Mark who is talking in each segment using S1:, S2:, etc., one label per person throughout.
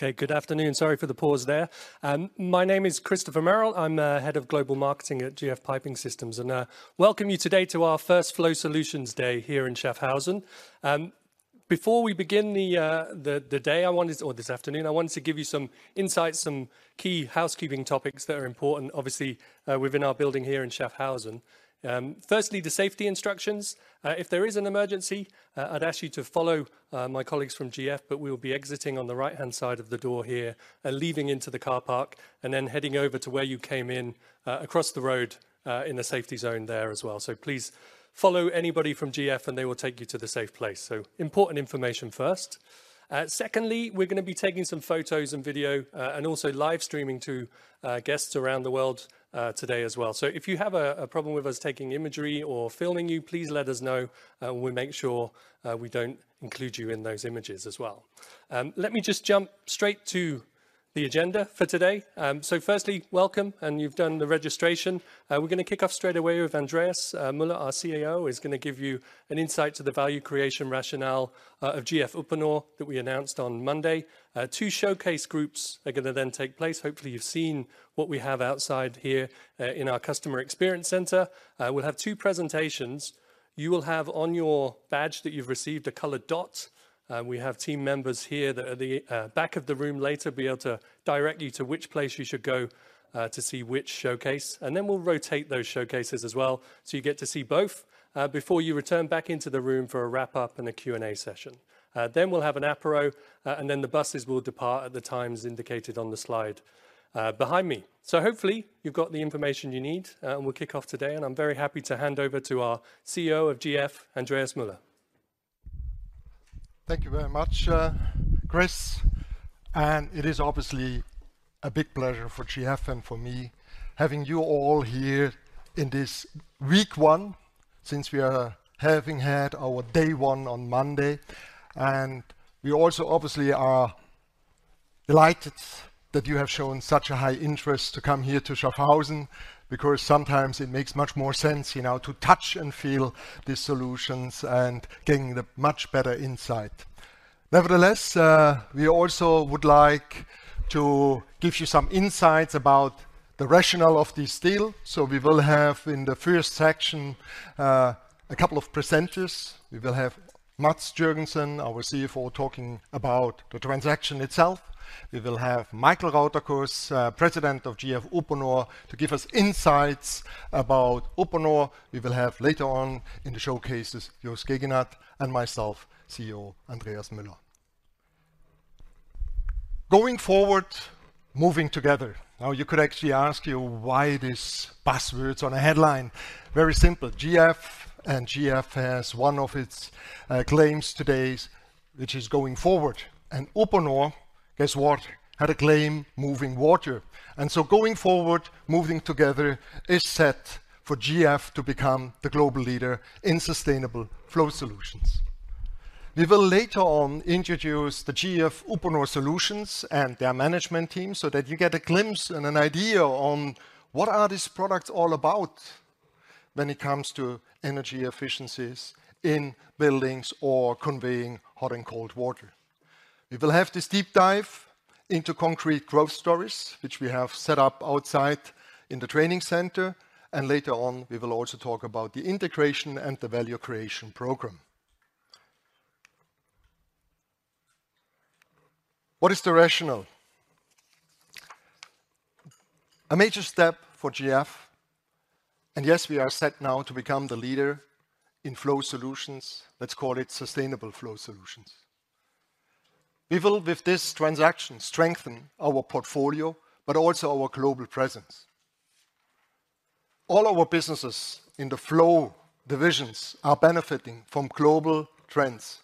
S1: Okay, good afternoon. Sorry for the pause there. My name is Christopher Merrell. I'm Head of Global Marketing at GF Piping Systems, and welcome you today to our first Flow Solutions Day here in Schaffhausen. Before we begin the day, or this afternoon, I wanted to give you some insights, some key housekeeping topics that are important, obviously, within our building here in Schaffhausen. Firstly, the safety instructions. If there is an emergency, I'd ask you to follow my colleagues from GF, but we'll be exiting on the right-hand side of the door here and leaving into the car park, and then heading over to where you came in, across the road, in the safety zone there as well. So please follow anybody from GF, and they will take you to the safe place. So important information first. Secondly, we're gonna be taking some photos and video, and also live streaming to guests around the world, today as well. So if you have a problem with us taking imagery or filming you, please let us know, and we'll make sure we don't include you in those images as well. Let me just jump straight to the agenda for today. So firstly, welcome, and you've done the registration. We're gonna kick off straight away with Andreas Müller, our CEO, is gonna give you an insight to the value creation rationale of GF Uponor that we announced on Monday. Two showcase groups are gonna then take place. Hopefully, you've seen what we have outside here in our Customer Experience Center. We'll have two presentations. You will have on your badge that you've received a colored dot. We have team members here that at the back of the room later will be able to direct you to which place you should go to see which showcase, and then we'll rotate those showcases as well, so you get to see both before you return back into the room for a wrap-up and a Q&A session. Then we'll have an apero, and then the buses will depart at the times indicated on the slide behind me. So hopefully, you've got the information you need, and we'll kick off today, and I'm very happy to hand over to our CEO of GF, Andreas Müller.
S2: Thank you very much, Chris, and it is obviously a big pleasure for GF and for me, having you all here in this week one, since we are having had our day one on Monday, and we also obviously are delighted that you have shown such a high interest to come here to Schaffhausen, because sometimes it makes much more sense, you know, to touch and feel the solutions and getting a much better insight. Nevertheless, we also would like to give you some insights about the rationale of this deal, so we will have, in the first section, a couple of presenters. We will have Mads Joergensen, our CFO, talking about the transaction itself. We will have Michael Rauterkus, President of GF Uponor, to give us insights about Uponor. We will have, later on in the showcases, Joost Geginat, and myself, CEO Andreas Müller. Going forward, moving together. Now, you could actually ask why these words on a headline? Very simple. GF, and GF has one of its claims today, which is going forward. And Uponor, guess what? Had a claim, moving water. And so going forward, moving together is set for GF to become the global leader in sustainable flow solutions. We will later on introduce the GF Uponor solutions and their management team, so that you get a glimpse and an idea on what are these products all about when it comes to energy efficiencies in buildings or conveying hot and cold water. We will have this deep dive into concrete growth stories, which we have set up outside in the training center, and later on, we will also talk about the integration and the value creation program. What is the rationale? A major step for GF, and yes, we are set now to become the leader in flow solutions. Let's call it sustainable flow solutions. We will, with this transaction, strengthen our portfolio, but also our global presence. All our businesses in the flow divisions are benefiting from global trends.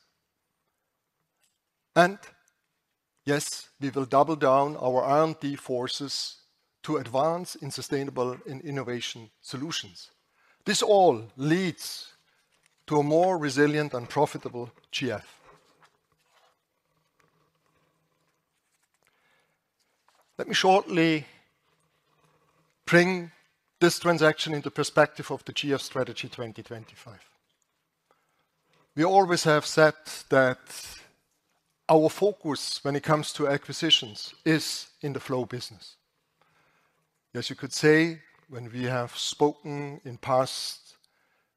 S2: Yes, we will double down our R&D forces to advance in sustainable and innovation solutions. This all leads to a more resilient and profitable GF. Let me shortly bring this transaction into perspective of the GF Strategy 2025. We always have said that our focus when it comes to acquisitions is in the flow business. Yes, you could say when we have spoken in past,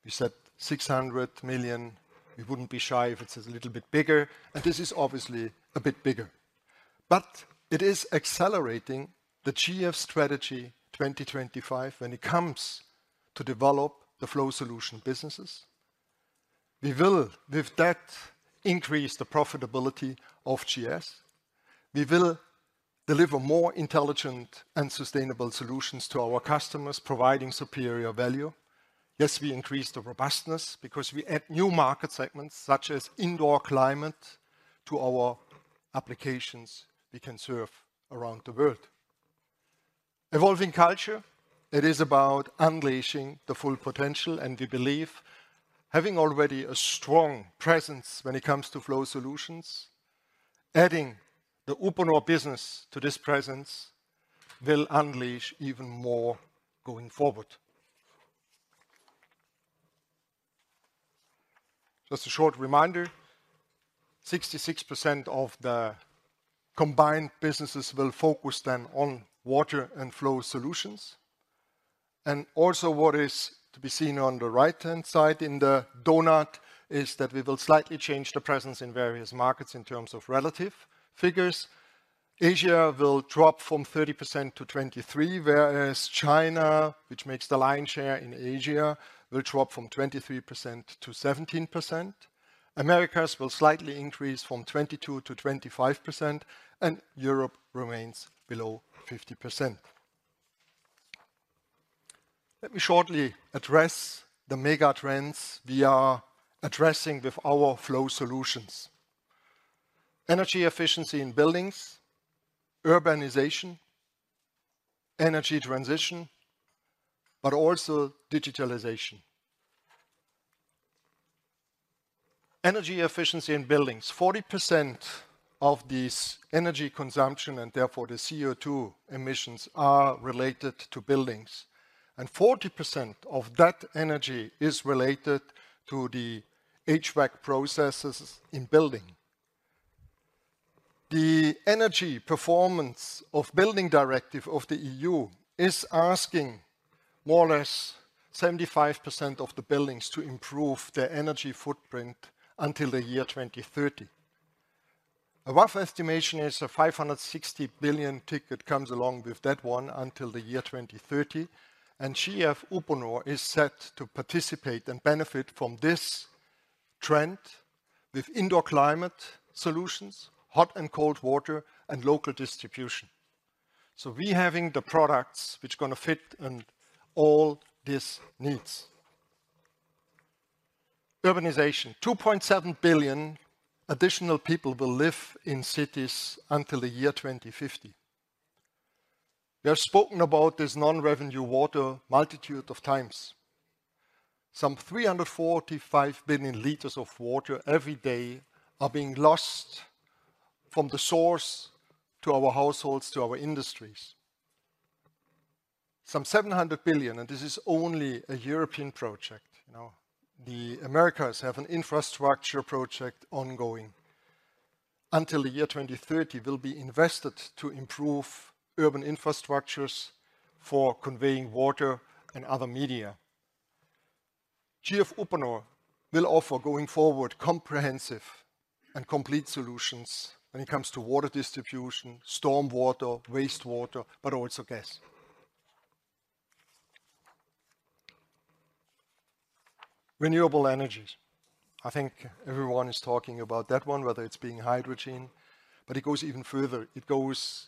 S2: we said 600 million, we wouldn't be shy if it is a little bit bigger, and this is obviously a bit bigger. But it is accelerating the GF Strategy 2025 when it comes to develop the flow solution businesses. We will, with that, increase the profitability of GF. We will deliver more intelligent and sustainable solutions to our customers, providing superior value. Yes, we increase the robustness because we add new market segments, such as indoor climate, to our applications we can serve around the world. Evolving culture, it is about unleashing the full potential, and we believe having already a strong presence when it comes to flow solutions, adding the Uponor business to this presence, will unleash even more going forward. Just a short reminder, 66% of the combined businesses will focus then on water and flow solutions. And also, what is to be seen on the right-hand side in the donut, is that we will slightly change the presence in various markets in terms of relative figures. Asia will drop from 30% to 23%, whereas China, which makes the lion's share in Asia, will drop from 23% to 17%. Americas will slightly increase from 22% to 25%, and Europe remains below 50%. Let me shortly address the mega trends we are addressing with our flow solutions. Energy efficiency in buildings, urbanization, energy transition, but also digitalization. Energy efficiency in buildings. 40% of this energy consumption, and therefore the CO2 emissions, are related to buildings, and 40% of that energy is related to the HVAC processes in building. The Energy Performance of Building Directive of the EU is asking more or less 75% of the buildings to improve their energy footprint until the year 2030. A rough estimation is a 560 billion market comes along with that one until the year 2030, and GF Piping Systems is set to participate and benefit from this trend with indoor climate solutions, hot and cold water, and local distribution. So we having the products which gonna fit in all these needs. Urbanization. 2.7 billion additional people will live in cities until the year 2050. We have spoken about this non-revenue water multitude of times. Some 345 billion liters of water every day are being lost from the source to our households, to our industries. Some 700 billion, and this is only a European project, you know. The Americas have an infrastructure project ongoing. Until the year 2030, will be invested to improve urban infrastructures for conveying water and other media. GF Piping Systems will offer, going forward, comprehensive and complete solutions when it comes to water distribution, storm water, wastewater, but also gas. Renewable energies. I think everyone is talking about that one, whether it's being hydrogen, but it goes even further. It goes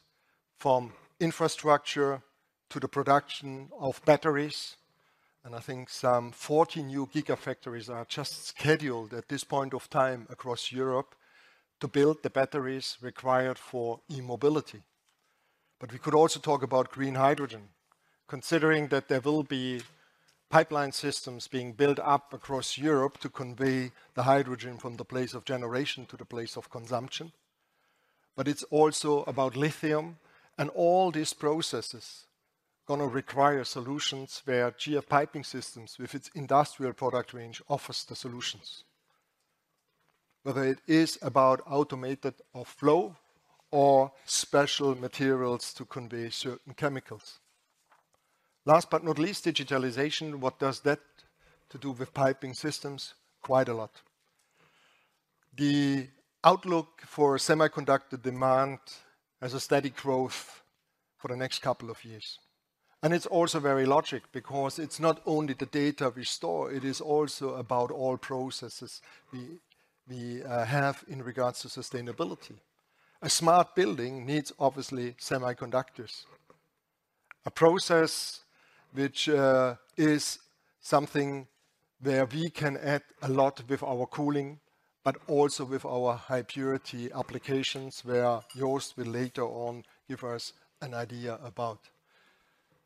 S2: from infrastructure to the production of batteries, and I think some 40 new gigafactories are just scheduled at this point of time across Europe to build the batteries required for e-mobility. But we could also talk about green hydrogen, considering that there will be pipeline systems being built up across Europe to convey the hydrogen from the place of generation to the place of consumption. But it's also about lithium, and all these processes gonna require solutions where GF Piping Systems, with its industrial product range, offers the solutions, whether it is about automated or flow or special materials to convey certain chemicals. Last but not least, digitalization. What does that to do with piping systems? Quite a lot. The outlook for semiconductor demand has a steady growth for the next couple of years, and it's also very logic, because it's not only the data we store, it is also about all processes we have in regards to sustainability. A smart building needs, obviously, semiconductors. A process which is something where we can add a lot with our cooling, but also with our high purity applications, where Joost will later on give us an idea about.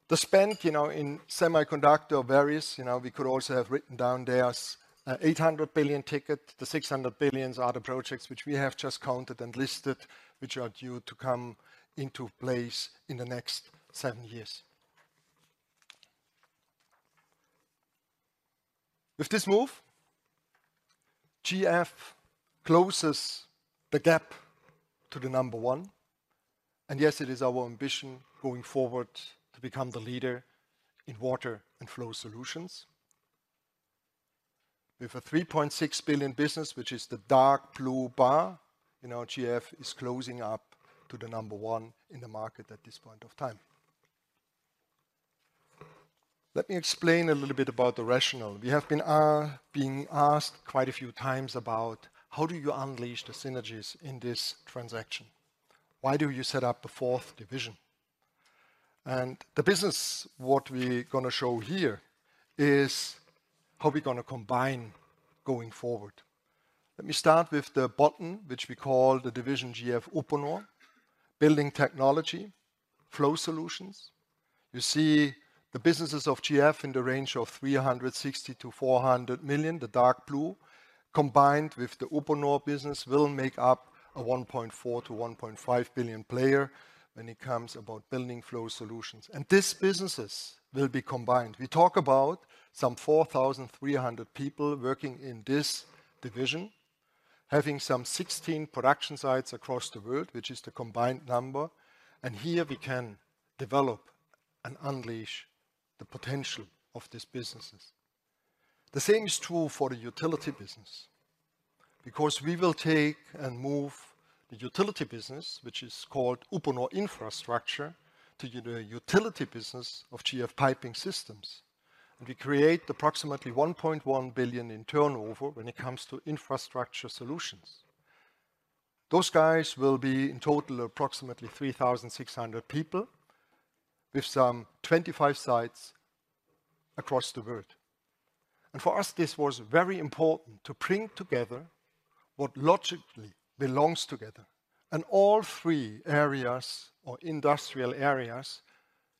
S2: The spend, you know, in semiconductor varies. You know, we could also have written down there as 800 billion ticket. The 600 billion are the projects which we have just counted and listed, which are due to come into place in the next 7 years. With this move, GF closes the gap to the number one, and yes, it is our ambition going forward to become the leader in water and flow solutions. With a 3.6 billion business, which is the dark blue bar, you know, GF is closing up to the number one in the market at this point of time. Let me explain a little bit about the rationale. We have been being asked quite a few times about: how do you unleash the synergies in this transaction? Why do you set up the fourth division? And the business, what we're gonna show here, is how we're gonna combine going forward. Let me start with the bottom, which we call the division GF Building Flow Solutions. You see the businesses of GF in the range of 360 million-400 million, the dark blue, combined with the piping business, will make up a 1.4 billion-1.5 billion player when it comes to building flow solutions, and these businesses will be combined. We talk about some 4,300 people working in this division, having some 16 production sites across the world, which is the combined number, and here we can develop and unleash the potential of these businesses. The same is true for the utility business, because we will take and move the utility business, which is called Uponor Infrastructure, to the utility business of GF Piping Systems. And we create approximately 1.1 billion in turnover when it comes to infrastructure solutions. Those guys will be, in total, approximately 3,600 people, with some 25 sites across the world. For us, this was very important to bring together what logically belongs together. In all three areas or industrial areas,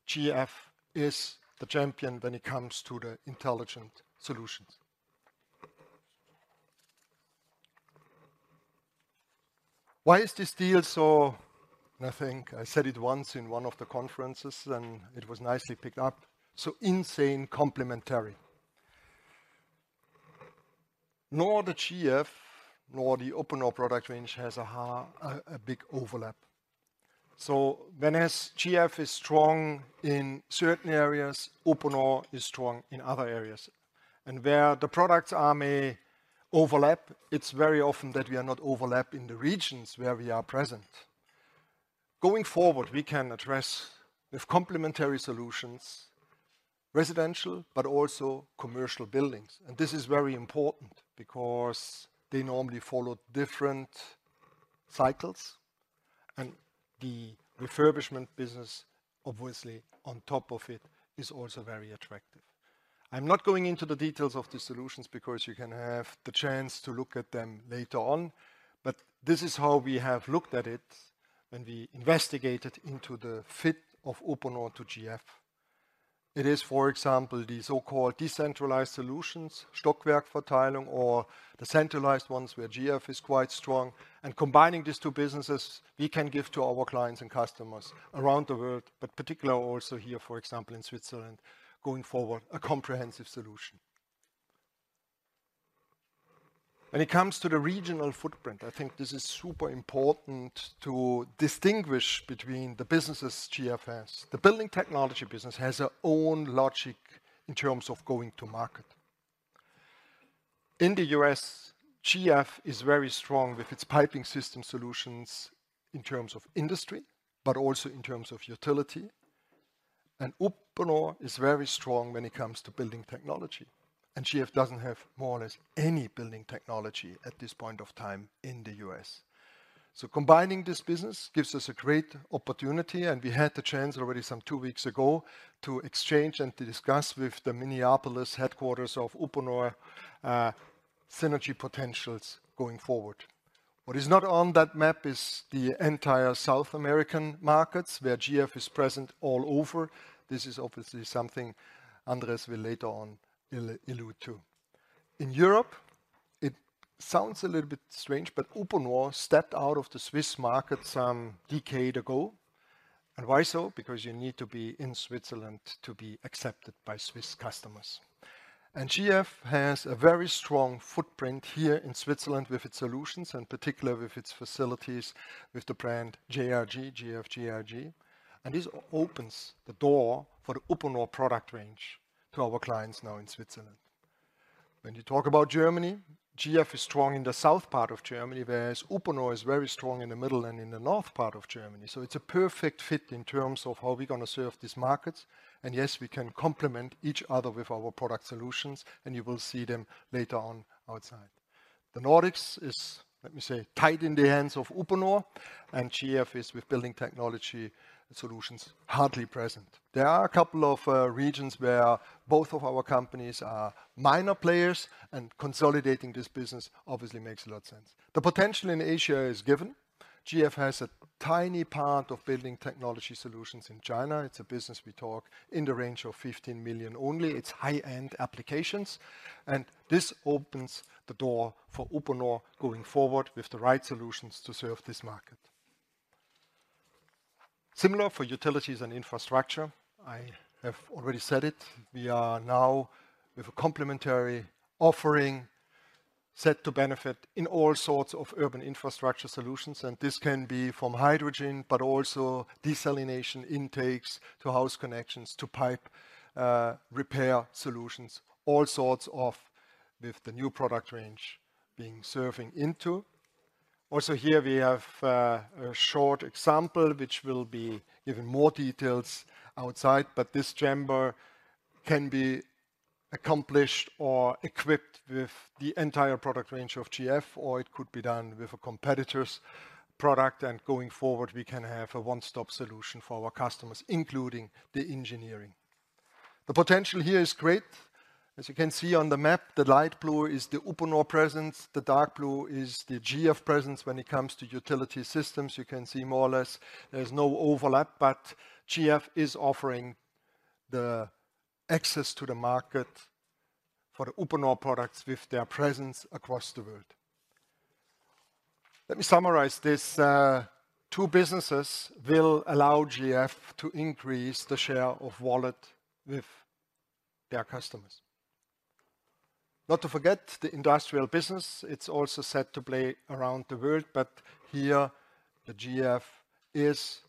S2: GF is the champion when it comes to the intelligent solutions. Why is this deal so-- I think I said it once in one of the conferences, and it was nicely picked up, so insane complementary? Nor the GF, nor the Uponor product range has a high, a big overlap. So whereas GF is strong in certain areas, Uponor is strong in other areas, and where the products are may overlap, it's very often that we are not overlap in the regions where we are present. Going forward, we can address, with complementary solutions, residential but also commercial buildings. And this is very important because they normally follow different cycles, and the refurbishment business, obviously on top of it, is also very attractive. I'm not going into the details of the solutions because you can have the chance to look at them later on, but this is how we have looked at it when we investigated into the fit of Uponor to GF. It is, for example, the so-called decentralized solutions, Stockwerkverteilung, or the centralized ones, where GF is quite strong. And combining these two businesses, we can give to our clients and customers around the world, but particularly also here, for example, in Switzerland, going forward, a comprehensive solution. When it comes to the regional footprint, I think this is super important to distinguish between the businesses GF has. The building technology business has its own logic in terms of going to market. In the U.S., GF is very strong with its piping system solutions in terms of industry, but also in terms of utility. Uponor is very strong when it comes to building technology, and GF doesn't have more or less any building technology at this point of time in the U.S. So combining this business gives us a great opportunity, and we had the chance already some two weeks ago to exchange and to discuss with the Minneapolis headquarters of Uponor, synergy potentials going forward. What is not on that map is the entire South American markets, where GF is present all over. This is obviously something Andreas will later on allude to. In Europe, it sounds a little bit strange, but Uponor stepped out of the Swiss market some decade ago. And why so? Because you need to be in Switzerland to be accepted by Swiss customers. GF has a very strong footprint here in Switzerland with its solutions, and particularly with its facilities, with the brand JRG, GF JRG, and this opens the door for the Uponor product range to our clients now in Switzerland. When you talk about Germany, GF is strong in the south part of Germany, whereas Uponor is very strong in the middle and in the north part of Germany. It's a perfect fit in terms of how we're gonna serve these markets. Yes, we can complement each other with our product solutions, and you will see them later on outside. The Nordics is, let me say, tight in the hands of Uponor, and GF is, with building technology solutions, hardly present. There are a couple of regions where both of our companies are minor players, and consolidating this business obviously makes a lot of sense. The potential in Asia is given. GF has a tiny part of building technology solutions in China. It's a business we talk in the range of 15 million only. It's high-end applications, and this opens the door for Uponor going forward with the right solutions to serve this market. Similar for utilities and infrastructure, I have already said it, we are now with a complementary offering set to benefit in all sorts of urban infrastructure solutions, and this can be from hydrogen, but also desalination intakes to house connections to pipe, repair solutions, all sorts of with the new product range being serving into. Also here we have, a short example, which will be given more details outside, but this chamber can be accomplished or equipped with the entire product range of GF, or it could be done with a competitor's product. Going forward, we can have a one-stop solution for our customers, including the engineering. The potential here is great. As you can see on the map, the light blue is the Uponor presence, the dark blue is the GF presence. When it comes to utility systems, you can see more or less there's no overlap, but GF is offering the access to the market for the Uponor products with their presence across the world. Let me summarize this. Two businesses will allow GF to increase the share of wallet with their customers. Not to forget, the industrial business, it's also set to play around the world, but here, the GF is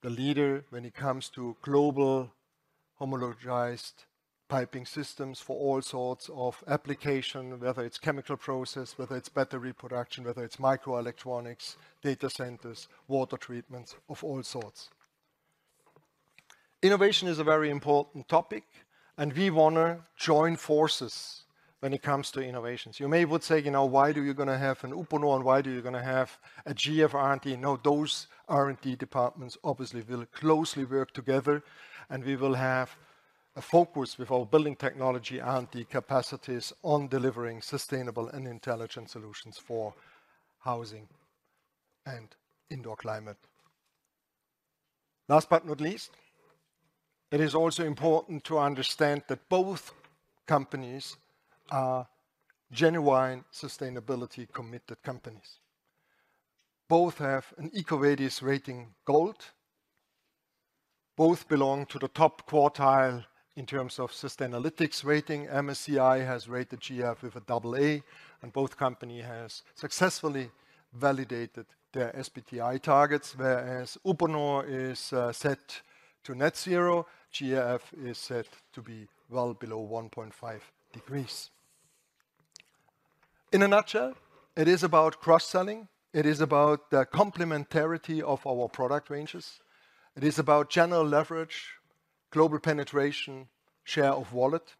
S2: the leader when it comes to global homologized piping systems for all sorts of application, whether it's chemical process, whether it's battery production, whether it's microelectronics, data centers, water treatments of all sorts. Innovation is a very important topic, and we wanna join forces when it comes to innovations. You may would say, "You know, why do you gonna have an Uponor, and why do you gonna have a GF R&D?" No, those R&D departments obviously will closely work together, and we will have a focus with our building technology R&D capacities on delivering sustainable and intelligent solutions for housing and indoor climate. Last but not least, it is also important to understand that both companies are genuine, sustainability-committed companies. Both have an EcoVadis rating Gold. Both belong to the top quartile in terms of Sustainalytics rating. MSCI has rated GF with a AA, and both company has successfully validated their SBTi targets, whereas Uponor is set to net zero, GF is set to be well below 1.5 degrees. In a nutshell, it is about cross-selling. It is about the complementarity of our product ranges. It is about general leverage, global penetration, share of wallet.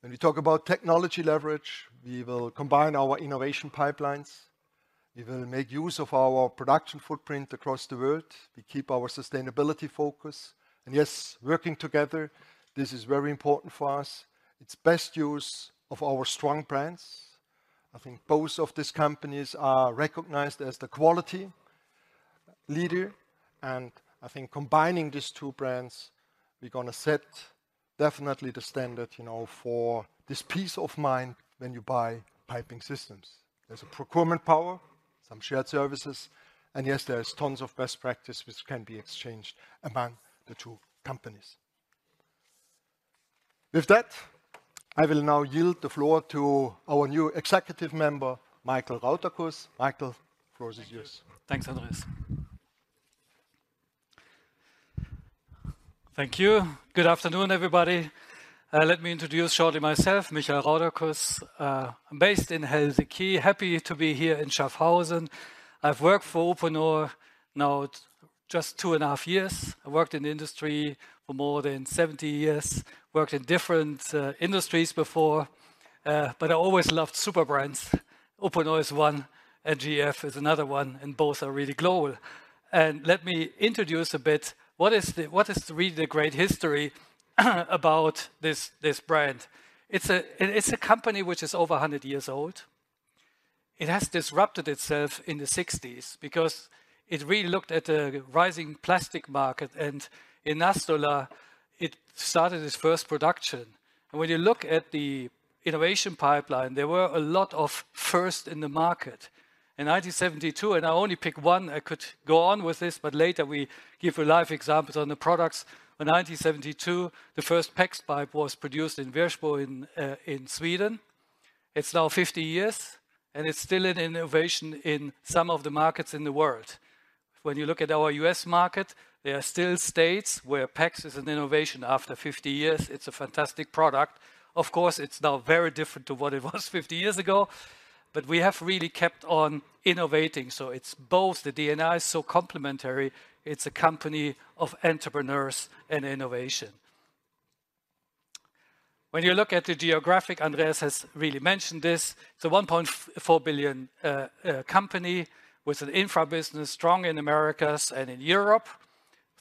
S2: When we talk about technology leverage, we will combine our innovation pipelines. We will make use of our production footprint across the world. We keep our sustainability focus, and yes, working together, this is very important for us. It's best use of our strong brands. I think both of these companies are recognized as the quality leader, and I think combining these two brands, we're gonna set definitely the standard, you know, for this peace of mind when you buy piping systems. There's a procurement power, some shared services, and yes, there is tons of best practice which can be exchanged among the two companies. With that, I will now yield the floor to our new executive member, Michael Rauterkus. Michael, the floor is yours.
S3: Thank you. Thanks, Andreas. Thank you. Good afternoon, everybody. Let me introduce shortly myself, Michael Rauterkus. I'm based in Helsinki, happy to be here in Schaffhausen. I've worked for Uponor now just 2.5 years. I worked in the industry for more than 70 years, worked in different industries before, but I always loved super brands. Uponor is one, and GF is another one, and both are really global. Let me introduce a bit, what is really the great history about this brand? It's a company which is over 100 years old. It has disrupted itself in the 1960s because it really looked at the rising plastic market, and in Nastola, it started its first production. When you look at the innovation pipeline, there were a lot of first in the market. In 1972, and I only pick one, I could go on with this, but later we give you live examples on the products. In 1972, the first PEX pipe was produced in Wirsbo, in Sweden. It's now 50 years, and it's still an innovation in some of the markets in the world. When you look at our U.S. market, there are still states where PEX is an innovation. After 50 years, it's a fantastic product. Of course, it's now very different to what it was 50 years ago, but we have really kept on innovating. So it's both. The DNA is so complementary. It's a company of entrepreneurs and innovation. When you look at the geographic, Andreas has really mentioned this, it's a 1.4 billion company with an infra business, strong in Americas and in Europe,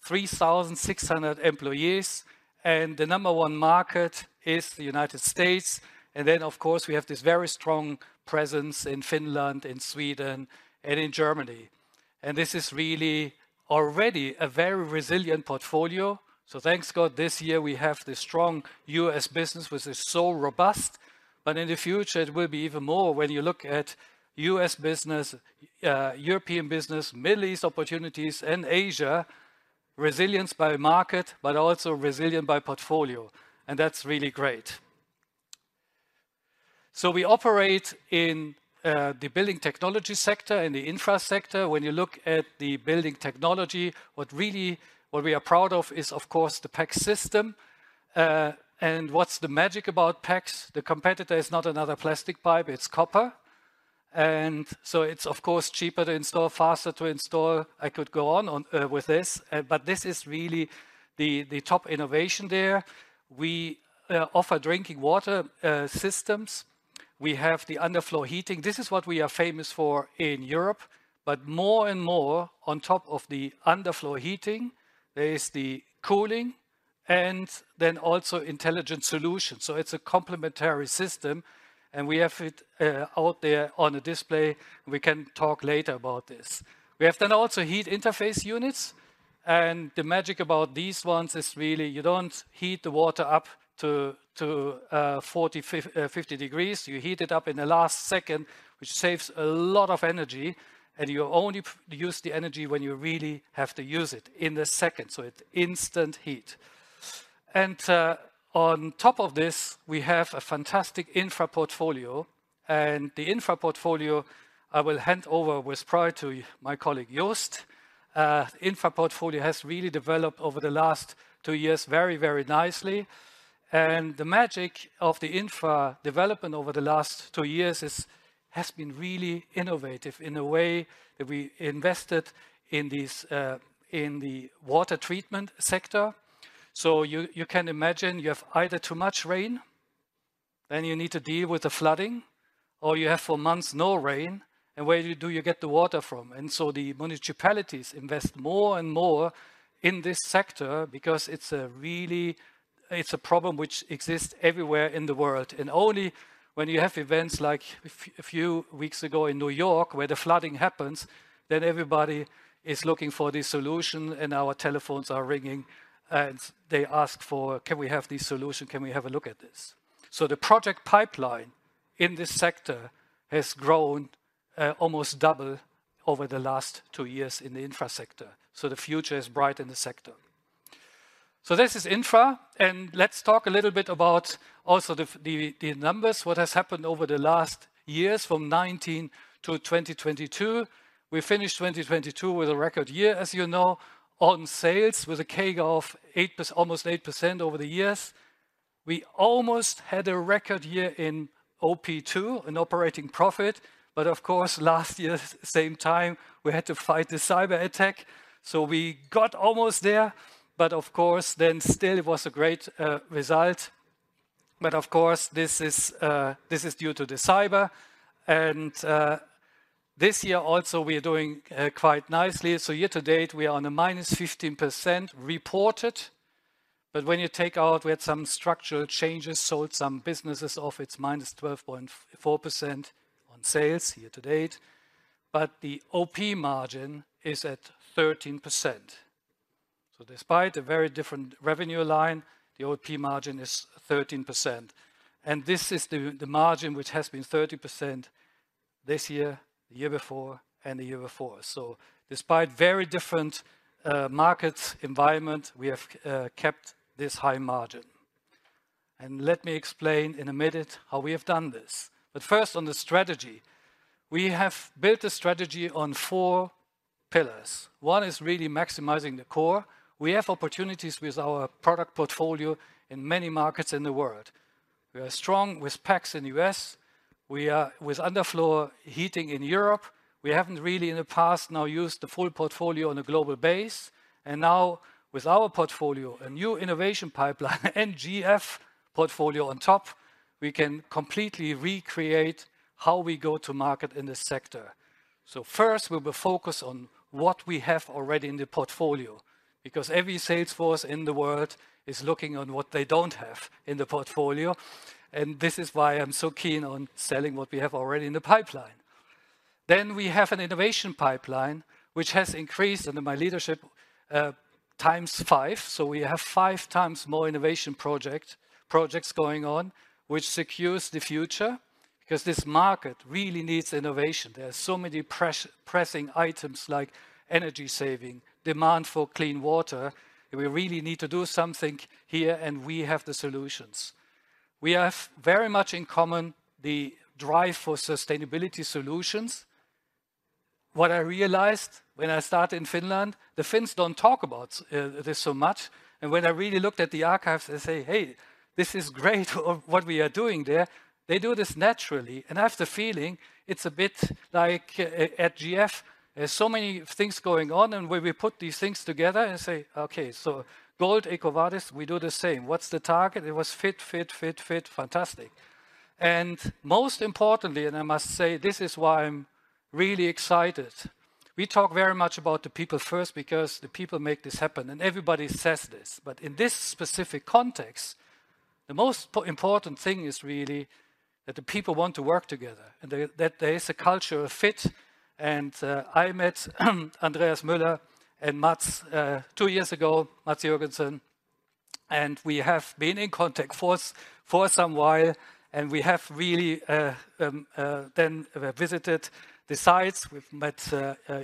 S3: 3,600 employees, and the number one market is the United States. And then, of course, we have this very strong presence in Finland, in Sweden, and in Germany. And this is really already a very resilient portfolio, so thank God, this year we have this strong US business, which is so robust, but in the future it will be even more when you look at US business, European business, Middle East opportunities, and Asia, resilience by market, but also resilience by portfolio, and that's really great. So we operate in the building technology sector and the infra sector. When you look at the building technology, what really, what we are proud of is, of course, the PEX system. And what's the magic about PEX? The competitor is not another plastic pipe, it's copper. And so it's of course, cheaper to install, faster to install. I could go on, on, with this, but this is really the, the top innovation there. We offer drinking water systems. We have the underfloor heating. This is what we are famous for in Europe, but more and more, on top of the underfloor heating, there is the cooling and then also intelligent solutions. So it's a complementary system, and we have it out there on a display. We can talk later about this. We have then also heat interface units, and the magic about these ones is really you don't heat the water up to 40, 50 degrees. You heat it up in the last second, which saves a lot of energy, and you only use the energy when you really have to use it, in the second, so it's instant heat. And on top of this, we have a fantastic infra portfolio, and the infra portfolio I will hand over with pride to my colleague, Joost. Infra portfolio has really developed over the last two years very, very nicely, and the magic of the infra development over the last two years has been really innovative in the way that we invested in these, in the water treatment sector. So you can imagine you have either too much rain, then you need to deal with the flooding, or you have for months no rain, and where do you get the water from? And so the municipalities invest more and more in this sector because it's a really—it's a problem which exists everywhere in the world, and only when you have events, like a few weeks ago in New York, where the flooding happens, then everybody is looking for the solution, and our telephones are ringing, and they ask for: "Can we have this solution? Can we have a look at this?" So the project pipeline in this sector has grown almost double over the last 2 years in the infra sector, so the future is bright in the sector. So this is infra, and let's talk a little bit about also the numbers. What has happened over the last years, from 2019 to 2022. We finished 2022 with a record year, as you know, on sales, with a CAGR of 8%, almost 8% over the years. We almost had a record year in OP, too, in operating profit, but of course, last year, same time, we had to fight the cyberattack, so we got almost there, but of course, then still it was a great, result. But of course, this is, this is due to the cyber and, this year also, we are doing, quite nicely. So year to date, we are on a -15% reported, but when you take out, we had some structural changes, sold some businesses off, it's -12.4% on sales year to date, but the OP margin is at 13%. So despite a very different revenue line, the OP margin is 13%, and this is the margin which has been 13% this year, the year before, and the year before. So despite very different markets, environment, we have kept this high margin. And let me explain in a minute how we have done this. But first, on the strategy, we have built a strategy on four pillars. One is really maximizing the core. We have opportunities with our product portfolio in many markets in the world. We are strong with PEX in U.S., we are with underfloor heating in Europe. We haven't really in the past now used the full portfolio on a global base, and now with our portfolio, a new innovation pipeline, and GF portfolio on top, we can completely recreate how we go to market in this sector. So first, we will focus on what we have already in the portfolio, because every sales force in the world is looking on what they don't have in the portfolio, and this is why I'm so keen on selling what we have already in the pipeline. Then we have an innovation pipeline, which has increased under my leadership, times five. So we have 5x more innovation projects going on, which secures the future, because this market really needs innovation. There are so many pressing items like energy saving, demand for clean water. We really need to do something here, and we have the solutions. We have very much in common, the drive for sustainability solutions. What I realized when I started in Finland, the Finns don't talk about this so much, and when I really looked at the archives and say, "Hey, this is great, what we are doing there," they do this naturally. And I have the feeling it's a bit like at GF, there's so many things going on, and when we put these things together and say, "Okay, so Gold EcoVadis, we do the same. What's the target?" It was fit, fit, fit, fit, fantastic. And most importantly, and I must say, this is why I'm really excited, we talk very much about the people first, because the people make this happen and everybody says this, but in this specific context, the most important thing is really that the people want to work together and that there is a cultural fit. I met Andreas Müller and Mads Joergensen two years ago, and we have been in contact for some while, and we have really then visited the sites. We've met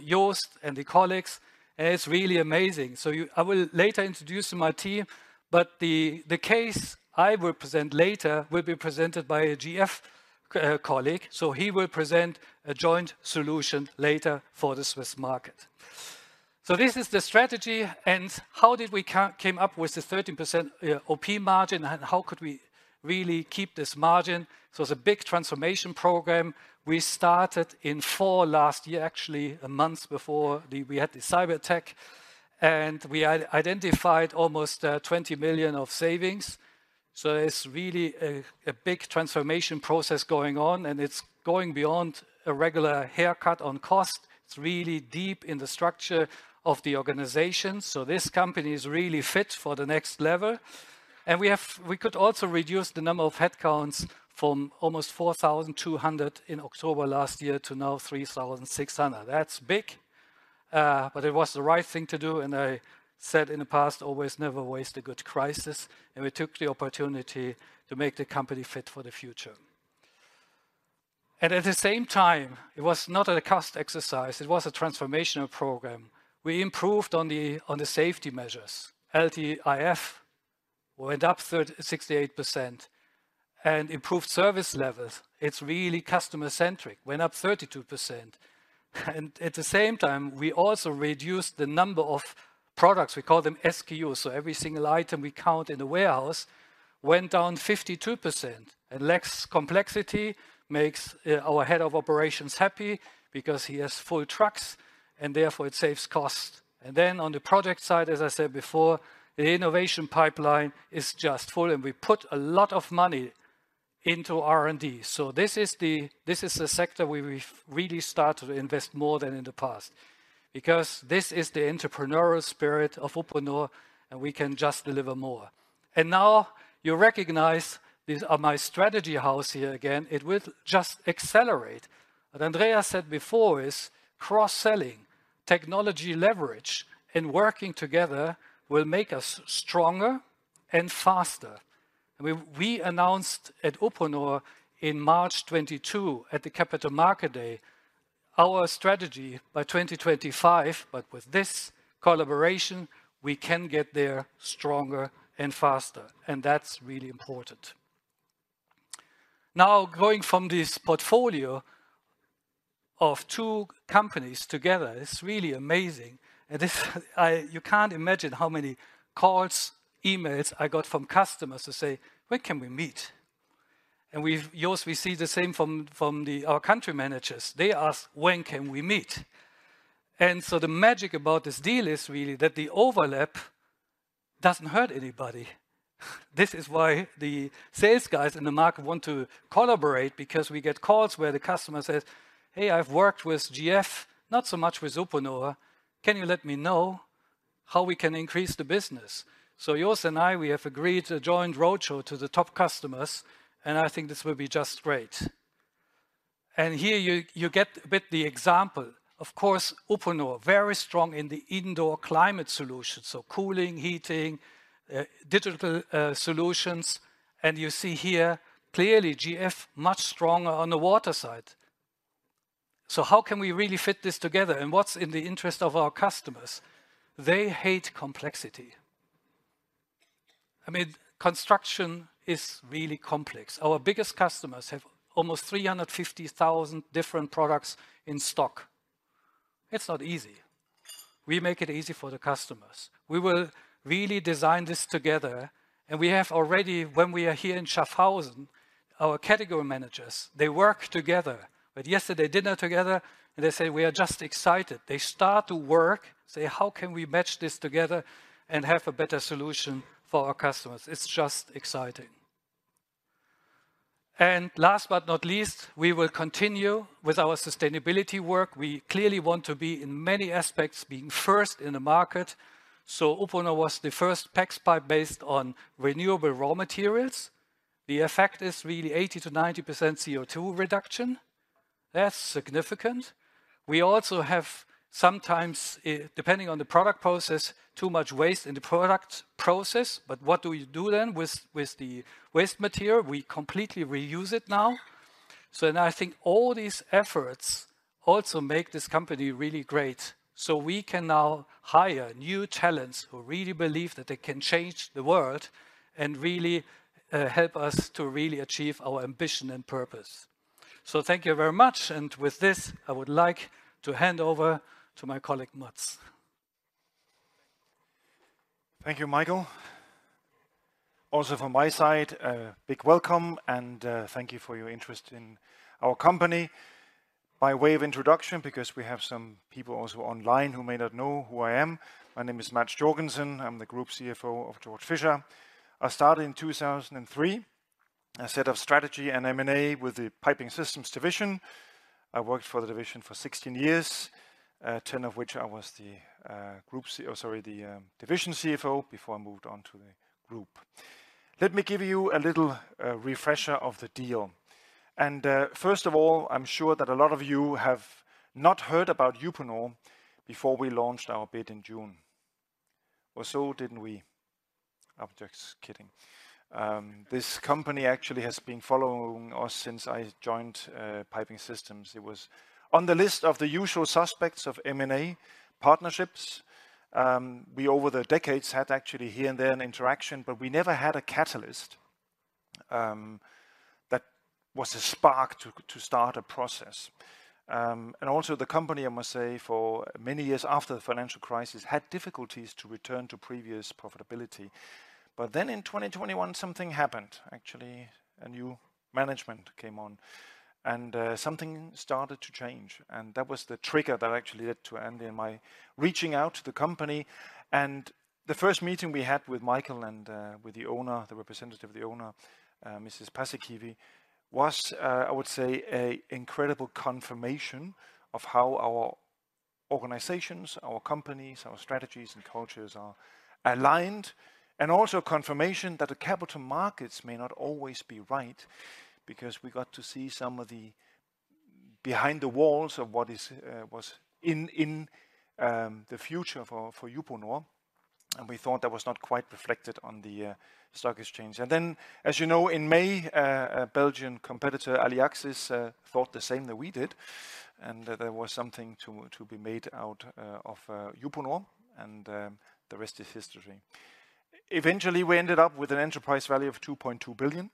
S3: Joost and the colleagues, and it's really amazing. I will later introduce my team, but the case I will present later will be presented by a GF colleague, so he will present a joint solution later for the Swiss market. So this is the strategy, and how did we came up with the 13% OP margin, and how could we really keep this margin? So it's a big transformation program. We started in fall last year, actually, a month before we had the cyberattack, and we identified almost 20 million of savings. So it's really a big transformation process going on, and it's going beyond a regular haircut on cost. It's really deep in the structure of the organization, so this company is really fit for the next level. And we could also reduce the number of headcounts from almost 4,200 in October last year to now 3,600. That's big, but it was the right thing to do, and I said in the past, always, "Never waste a good crisis," and we took the opportunity to make the company fit for the future. And at the same time, it was not a cost exercise, it was a transformational program. We improved on the safety measures. LTIF went up 68% and improved service levels, it's really customer-centric, went up 32%. At the same time, we also reduced the number of products, we call them SKUs, so every single item we count in the warehouse went down 52%. And less complexity makes our Head of Operations happy because he has full trucks, and therefore it saves cost. And then on the project side, as I said before, the innovation pipeline is just full, and we put a lot of money into R&D. So this is the, this is the sector where we've really started to invest more than in the past, because this is the entrepreneurial spirit of Uponor, and we can just deliver more. And now, you recognize these are my strategy house here again, it will just accelerate. What Andrea said before is, cross-selling, technology leverage, and working together will make us stronger and faster. We announced at Uponor in March 2022, at the Capital Market Day, our strategy by 2025, but with this collaboration, we can get there stronger and faster, and that's really important. Now, going from this portfolio of two companies together is really amazing, and this—you can't imagine how many calls, emails I got from customers to say, "When can we meet?" And we've—Joost, we see the same from the our country managers. They ask, "When can we meet?" And so the magic about this deal is really that the overlap doesn't hurt anybody. This is why the sales guys in the market want to collaborate, because we get calls where the customer says, "Hey, I've worked with GF, not so much with Uponor. Can you let me know how we can increase the business?" So Joost and I, we have agreed to a joint roadshow to the top customers, and I think this will be just great. And here you, you get a bit the example. Of course, Uponor, very strong in the indoor climate solution, so cooling, heating, digital, solutions. And you see here, clearly, GF, much stronger on the water side. So how can we really fit this together, and what's in the interest of our customers? They hate complexity. I mean, construction is really complex. Our biggest customers have almost 350,000 different products in stock. It's not easy. We make it easy for the customers. We will really design this together, and we have already, when we are here in Schaffhausen, our category managers, they work together. Had yesterday dinner together, and they say, "We are just excited." They start to work, say, "How can we match this together and have a better solution for our customers?" It's just exciting. And last but not least, we will continue with our sustainability work. We clearly want to be, in many aspects, being first in the market. So Uponor was the first PEX pipe based on renewable raw materials. The effect is really 80%-90% CO2 reduction. That's significant. We also have, sometimes, depending on the product process, too much waste in the product process, but what do we do then with the waste material? We completely reuse it now. So now I think all these efforts also make this company really great, so we can now hire new talents who really believe that they can change the world and really help us to really achieve our ambition and purpose. Thank you very much, and with this, I would like to hand over to my colleague, Mads.
S4: Thank you, Michael. Also from my side, a big welcome, and thank you for your interest in our company. By way of introduction, because we have some people also online who may not know who I am, my name is Mads Joergensen. I'm the Group CFO of Georg Fischer. I started in 2003. I set up strategy and M&A with the Piping Systems division. I worked for the division for 16 years, ten of which I was the division CFO, before I moved on to the group. Let me give you a little refresher of the deal. First of all, I'm sure that a lot of you have not heard about Uponor before we launched our bid in June. Well, so didn't we. I'm just kidding. This company actually has been following us since I joined Piping Systems. It was on the list of the usual suspects of M&A partnerships. We over the decades had actually here and there an interaction, but we never had a catalyst that was a spark to start a process. Also the company, I must say, for many years after the financial crisis, had difficulties to return to previous profitability. But then in 2021, something happened. Actually, a new management came on, and something started to change, and that was the trigger that actually led to, and in my reaching out to the company. And the first meeting we had with Michael and with the owner, the representative of the owner, Mrs. Paasikivi was, I would say, a incredible confirmation of how our organizations, our companies, our strategies and cultures are aligned, and also confirmation that the capital markets may not always be right, because we got to see some of the behind the walls of what was in the future for Uponor, and we thought that was not quite reflected on the stock exchange. And then, as you know, in May, a Belgian competitor, Aliaxis, thought the same that we did, and that there was something to be made out of Uponor, and the rest is history. Eventually, we ended up with an enterprise value of 2.2 billion.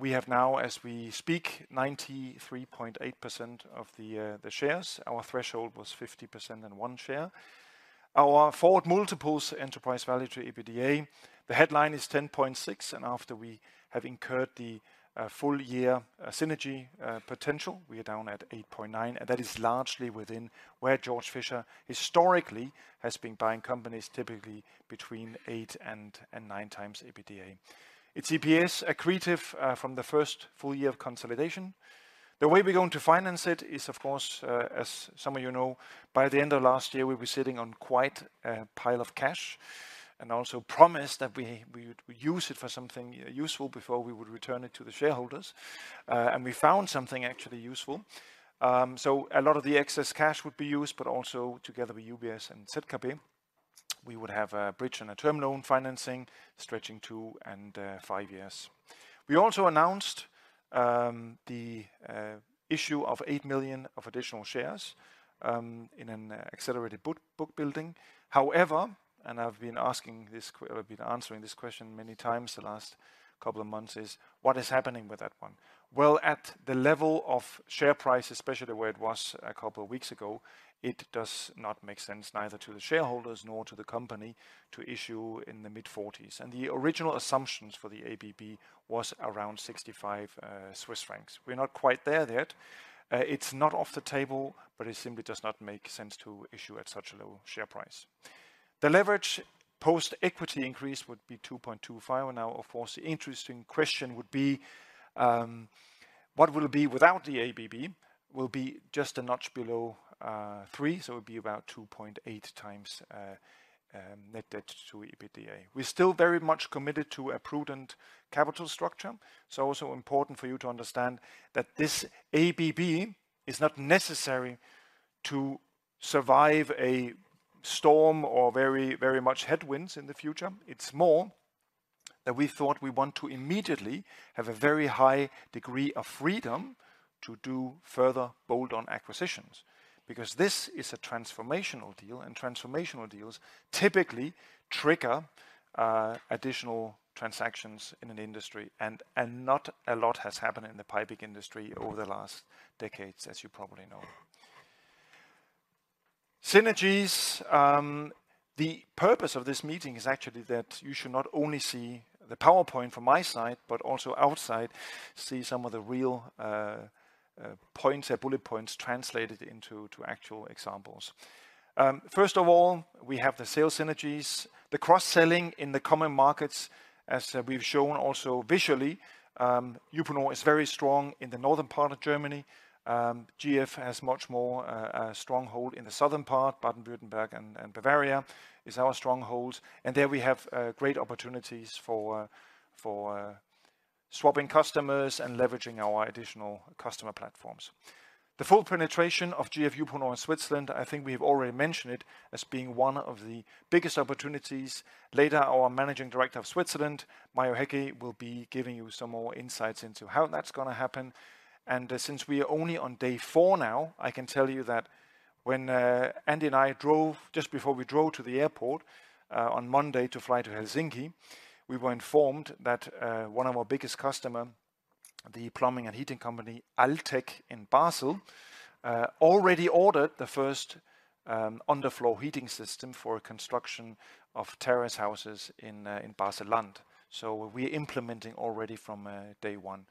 S4: We have now, as we speak, 93.8% of the shares. Our threshold was 50% and one share. Our forward multiples, enterprise value to EBITDA, the headline is 10.6, and after we have incurred the full year synergy potential, we are down at 8.9, and that is largely within where Georg Fischer historically has been buying companies, typically between 8x and 9x EBITDA. It's EPS accretive from the first full year of consolidation. The way we're going to finance it is, of course, as some of you know, by the end of last year, we'll be sitting on quite a pile of cash, and also promised that we would use it for something useful before we would return it to the shareholders. And we found something actually useful. So a lot of the excess cash would be used, but also together with UBS and Citibank, we would have a bridge and a term loan financing, stretching two and five years. We also announced the issue of 8 million additional shares in an accelerated book building. However, I've been answering this question many times the last couple of months: What is happening with that one? Well, at the level of share price, especially the way it was a couple of weeks ago, it does not make sense, neither to the shareholders nor to the company, to issue in the mid-40s. And the original assumptions for the ABB were around 65 Swiss francs. We're not quite there yet. It's not off the table, but it simply does not make sense to issue at such a low share price. The leverage post-equity increase would be 2.25. Now, of course, the interesting question would be, what will it be without the ABB? Will be just a notch below, three, so it'll be about 2.8x, net debt to EBITDA. We're still very much committed to a prudent capital structure. It's also important for you to understand that this ABB is not necessary to survive a storm or very, very much headwinds in the future. It's more that we thought we want to immediately have a very high degree of freedom to do further bolt-on acquisitions, because this is a transformational deal, and transformational deals typically trigger additional transactions in an industry, and not a lot has happened in the piping industry over the last decades, as you probably know. Synergies, the purpose of this meeting is actually that you should not only see the PowerPoint from my side, but also outside, see some of the real points or bullet points translated into actual examples. First of all, we have the sales synergies, the cross-selling in the common markets, as we've shown also visually, Uponor is very strong in the northern part of Germany. GF has much more a stronghold in the southern part, Baden-Württemberg and Bavaria is our stronghold, and there we have great opportunities for swapping customers and leveraging our additional customer platforms. The full penetration of GF Uponor in Switzerland, I think we've already mentioned it as being one of the biggest opportunities. Later, our Managing Director of Switzerland, Mario Häcki, will be giving you some more insights into how that's going to happen. Since we are only on day four now, I can tell you that when Andy and I drove just before we drove to the airport on Monday to fly to Helsinki, we were informed that one of our biggest customer, the plumbing and heating company, Altek in Basel, already ordered the first underfloor heating system for construction of terrace houses in Baselland. So we're implementing already from day one.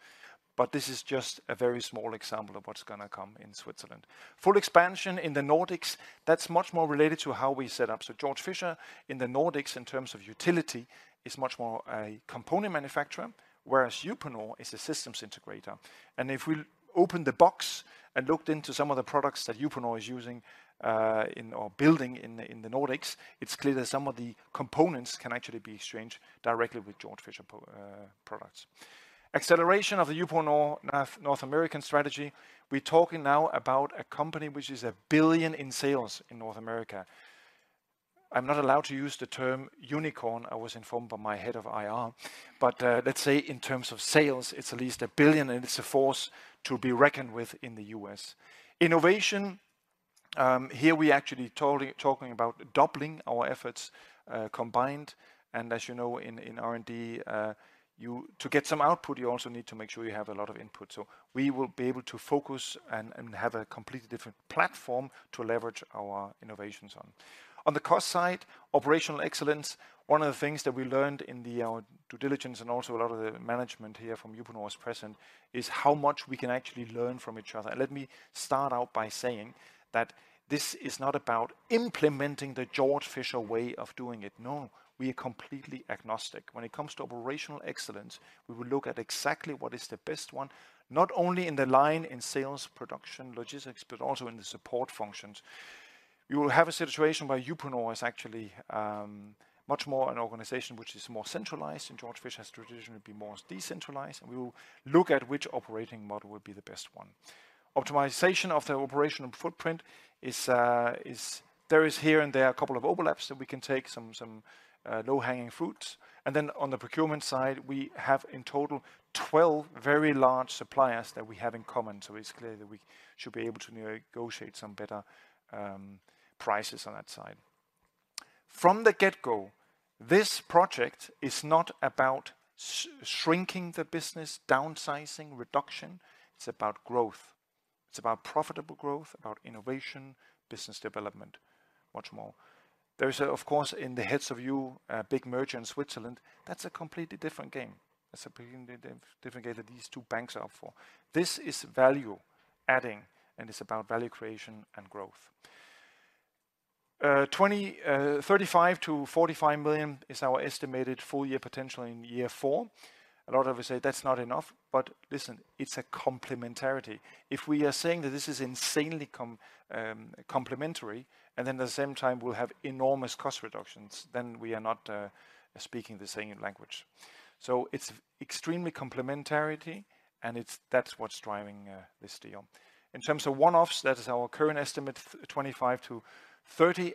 S4: But this is just a very small example of what's gonna come in Switzerland. Full expansion in the Nordics, that's much more related to how we set up. So Georg Fischer, in the Nordics, in terms of utility, is much more a component manufacturer, whereas Uponor is a systems integrator. And if we open the box and looked into some of the products that Uponor is using in or building in the Nordics, it's clear that some of the components can actually be exchanged directly with Georg Fischer products. Acceleration of the Uponor North American strategy. We're talking now about a company which is $1 billion in sales in North America. I'm not allowed to use the term unicorn. I was informed by my head of IR, but let's say in terms of sales, it's at least $1 billion, and it's a force to be reckoned with in the US. Innovation, here we actually talking about doubling our efforts, combined, and as you know, in R&D, to get some output, you also need to make sure you have a lot of input. So we will be able to focus and have a completely different platform to leverage our innovations on. On the cost side, operational excellence, one of the things that we learned in the due diligence, and also a lot of the management here from Uponor is present, is how much we can actually learn from each other. Let me start out by saying that this is not about implementing the Georg Fischer way of doing it. No, we are completely agnostic. When it comes to operational excellence, we will look at exactly what is the best one, not only in the line in sales, production, logistics, but also in the support functions.... You will have a situation where Uponor is actually much more an organization which is more centralized, and Georg Fischer has traditionally been more decentralized, and we will look at which operating model will be the best one. Optimization of the operational footprint is there is here and there a couple of overlaps that we can take, some low-hanging fruits. And then on the procurement side, we have in total 12 very large suppliers that we have in common. So it's clear that we should be able to negotiate some better prices on that side. From the get-go, this project is not about shrinking the business, downsizing, reduction. It's about growth. It's about profitable growth, about innovation, business development, much more. There is, of course, in the heads of you, a big merger in Switzerland, that's a completely different game. That's a completely different game that these two banks are up for. This is value-adding, and it's about value creation and growth. 35-45 million is our estimated full-year potential in year four. A lot of you say that's not enough, but listen, it's a complementarity. If we are saying that this is insanely complementary, and then at the same time, we'll have enormous cost reductions, then we are not speaking the same language. So it's extremely complementary, and that's what's driving this deal. In terms of one-offs, that is our current estimate, 25-30,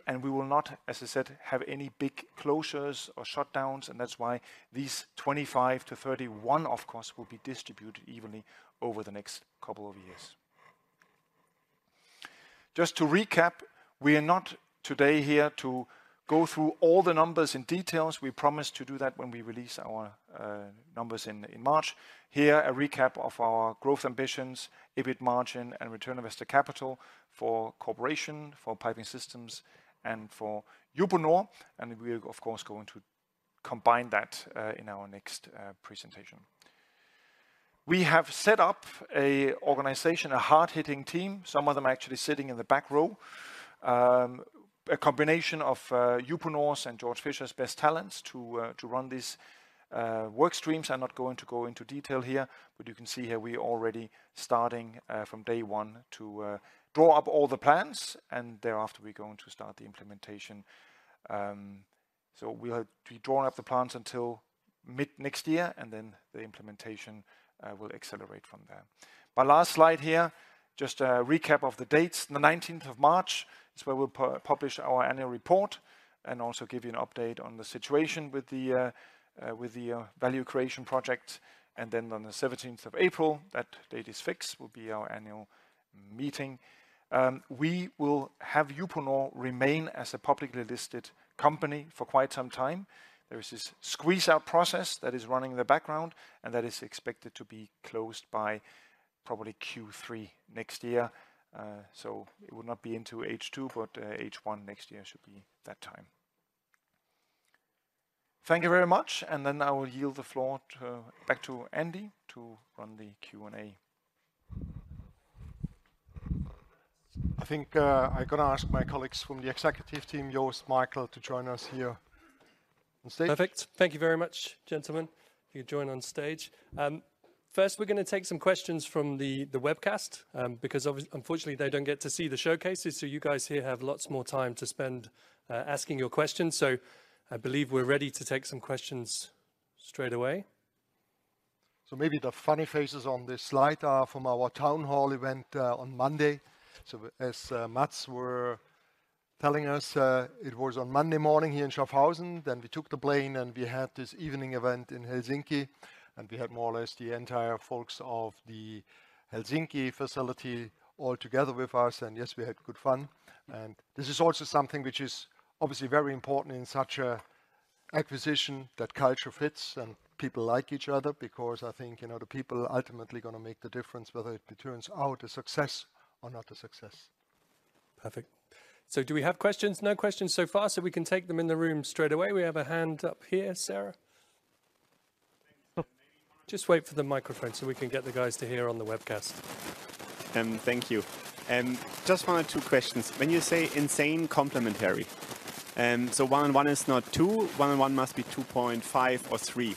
S4: and we will not, as I said, have any big closures or shutdowns, and that's why these 25-30 one-offs will be distributed evenly over the next couple of years. Just to recap, we are not here today to go through all the numbers in detail. We promise to do that when we release our numbers in March. Here, a recap of our growth ambitions, EBIT margin, and return on invested capital for corporation, for Piping Systems, and for Uponor, and we are, of course, going to combine that in our next presentation. We have set up an organization, a hard-hitting team, some of them actually sitting in the back row. A combination of Uponor's and Georg Fischer's best talents to run these work streams. I'm not going to go into detail here, but you can see here we already starting from day one to draw up all the plans, and thereafter, we're going to start the implementation. So we are to be drawing up the plans until mid-next year, and then the implementation will accelerate from there. But last slide here, just a recap of the dates. The nineteenth of March is where we'll publish our annual report and also give you an update on the situation with the value creation project. And then on the seventeenth of April, that date is fixed, will be our annual meeting. We will have Uponor remain as a publicly listed company for quite some time. There is this Squeeze-out process that is running in the background, and that is expected to be closed by probably Q3 next year. It will not be into H2, but H1 next year should be that time. Thank you very much, and then I will yield the floor to, back to Andy, to run the Q&A.
S2: I think, I'm gonna ask my colleagues from the executive team, Joost, Michael, to join us here on stage.
S1: Perfect. Thank you very much, gentlemen. If you join on stage. First, we're gonna take some questions from the webcast, because obviously, unfortunately, they don't get to see the showcases, so you guys here have lots more time to spend asking your questions. So I believe we're ready to take some questions straight away.
S2: So maybe the funny faces on this slide are from our town hall event on Monday. So as Mads were telling us, it was on Monday morning here in Schaffhausen. Then we took the plane, and we had this evening event in Helsinki, and we had more or less the entire folks of the Helsinki facility all together with us, and yes, we had good fun. And this is also something which is obviously very important in such a acquisition, that culture fits and people like each other, because I think, you know, the people are ultimately gonna make the difference, whether it turns out a success or not a success.
S1: Perfect. So do we have questions? No questions so far, so we can take them in the room straight away. We have a hand up here, Sarah. Oh, just wait for the microphone, so we can get the guys to hear on the webcast.
S5: Thank you. Just one or two questions. When you say insane complementary, so one and one is not two, one and one must be 2.5 or 3.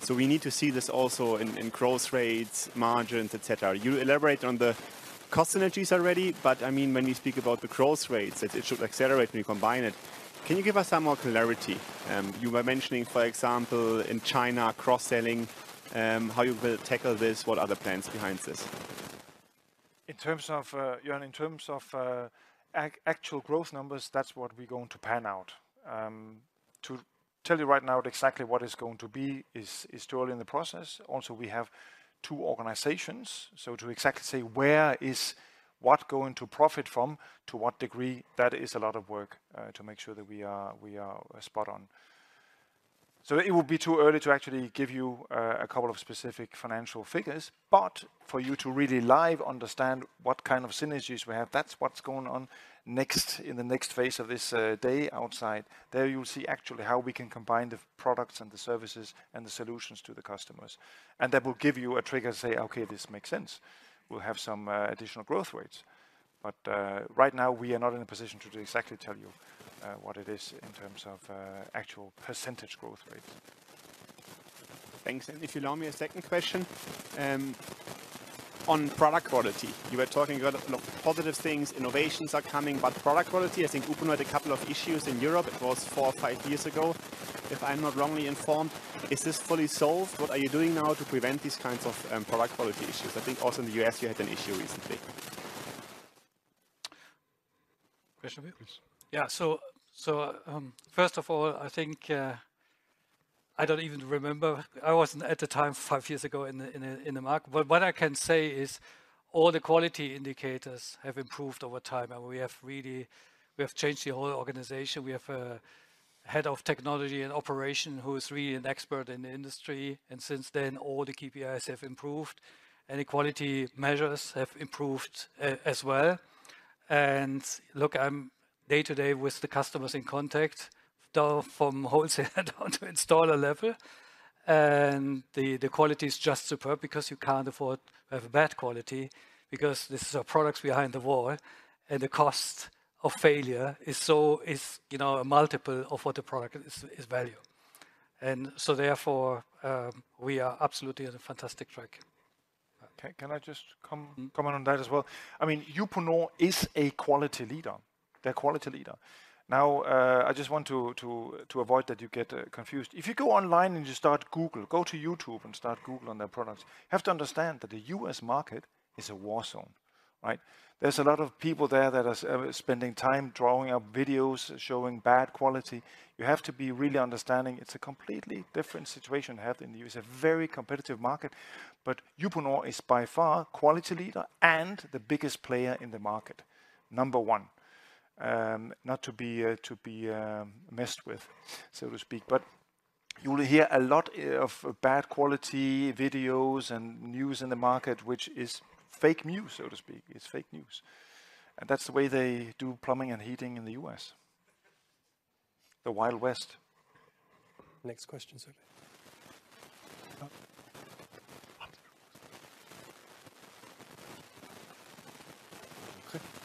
S5: So we need to see this also in growth rates, margins, et cetera. You elaborate on the cost synergies already, but I mean, when you speak about the growth rates, that it should accelerate when you combine it. Can you give us some more clarity? You were mentioning, for example, in China, cross-selling, how you will tackle this, what are the plans behind this?
S4: In terms of, John, in terms of actual growth numbers, that's what we're going to pan out. To tell you right now exactly what it's going to be is too early in the process. Also, we have two organizations, so to exactly say where is what going to profit from, to what degree, that is a lot of work to make sure that we are spot on. So it would be too early to actually give you a couple of specific financial figures, but for you to really live, understand what kind of synergies we have, that's what's going on next, in the next phase of this day outside. There you'll see actually how we can combine the products and the services and the solutions to the customers. That will give you a trigger to say, "Okay, this makes sense." We'll have some additional growth rates, but right now, we are not in a position to exactly tell you what it is in terms of actual percentage growth rate....
S5: Thanks. And if you allow me a second question, on product quality, you were talking a lot of, look, positive things, innovations are coming, but product quality, I think Uponor had a couple of issues in Europe. It was four or five years ago, if I'm not wrongly informed. Is this fully solved? What are you doing now to prevent these kinds of product quality issues? I think also in the U.S., you had an issue recently.
S4: Christian, please.
S3: Yeah. So, first of all, I think, I don't even remember. I wasn't at the time, 5 years ago, in the market. But what I can say is all the quality indicators have improved over time, and we have really changed the whole organization. We have a head of technology and operation who is really an expert in the industry, and since then, all the KPIs have improved, and the quality measures have improved, as well. And look, I'm day-to-day with the customers in contact, down from wholesale down to installer level, and the quality is just superb because you can't afford to have a bad quality, because this is our products behind the wall, and the cost of failure is so, you know, a multiple of what the product is value. Therefore, we are absolutely on a fantastic track.
S4: Okay. Can I just com-
S3: Mm.
S4: Comment on that as well? I mean, Uponor is a quality leader. They're a quality leader. Now, I just want to avoid that you get confused. If you go online and you start Google, go to YouTube and start googling on their products, you have to understand that the U.S. market is a war zone, right? There's a lot of people there that are spending time drawing up videos, showing bad quality. You have to be really understanding it's a completely different situation we have in the U.S., a very competitive market. But Uponor is by far quality leader and the biggest player in the market, number one, not to be messed with, so to speak. But you will hear a lot of bad quality videos and news in the market, which is fake news, so to speak. It's fake news, and that's the way they do plumbing and heating in the U.S. The Wild West. Next question, sir.
S5: Okay.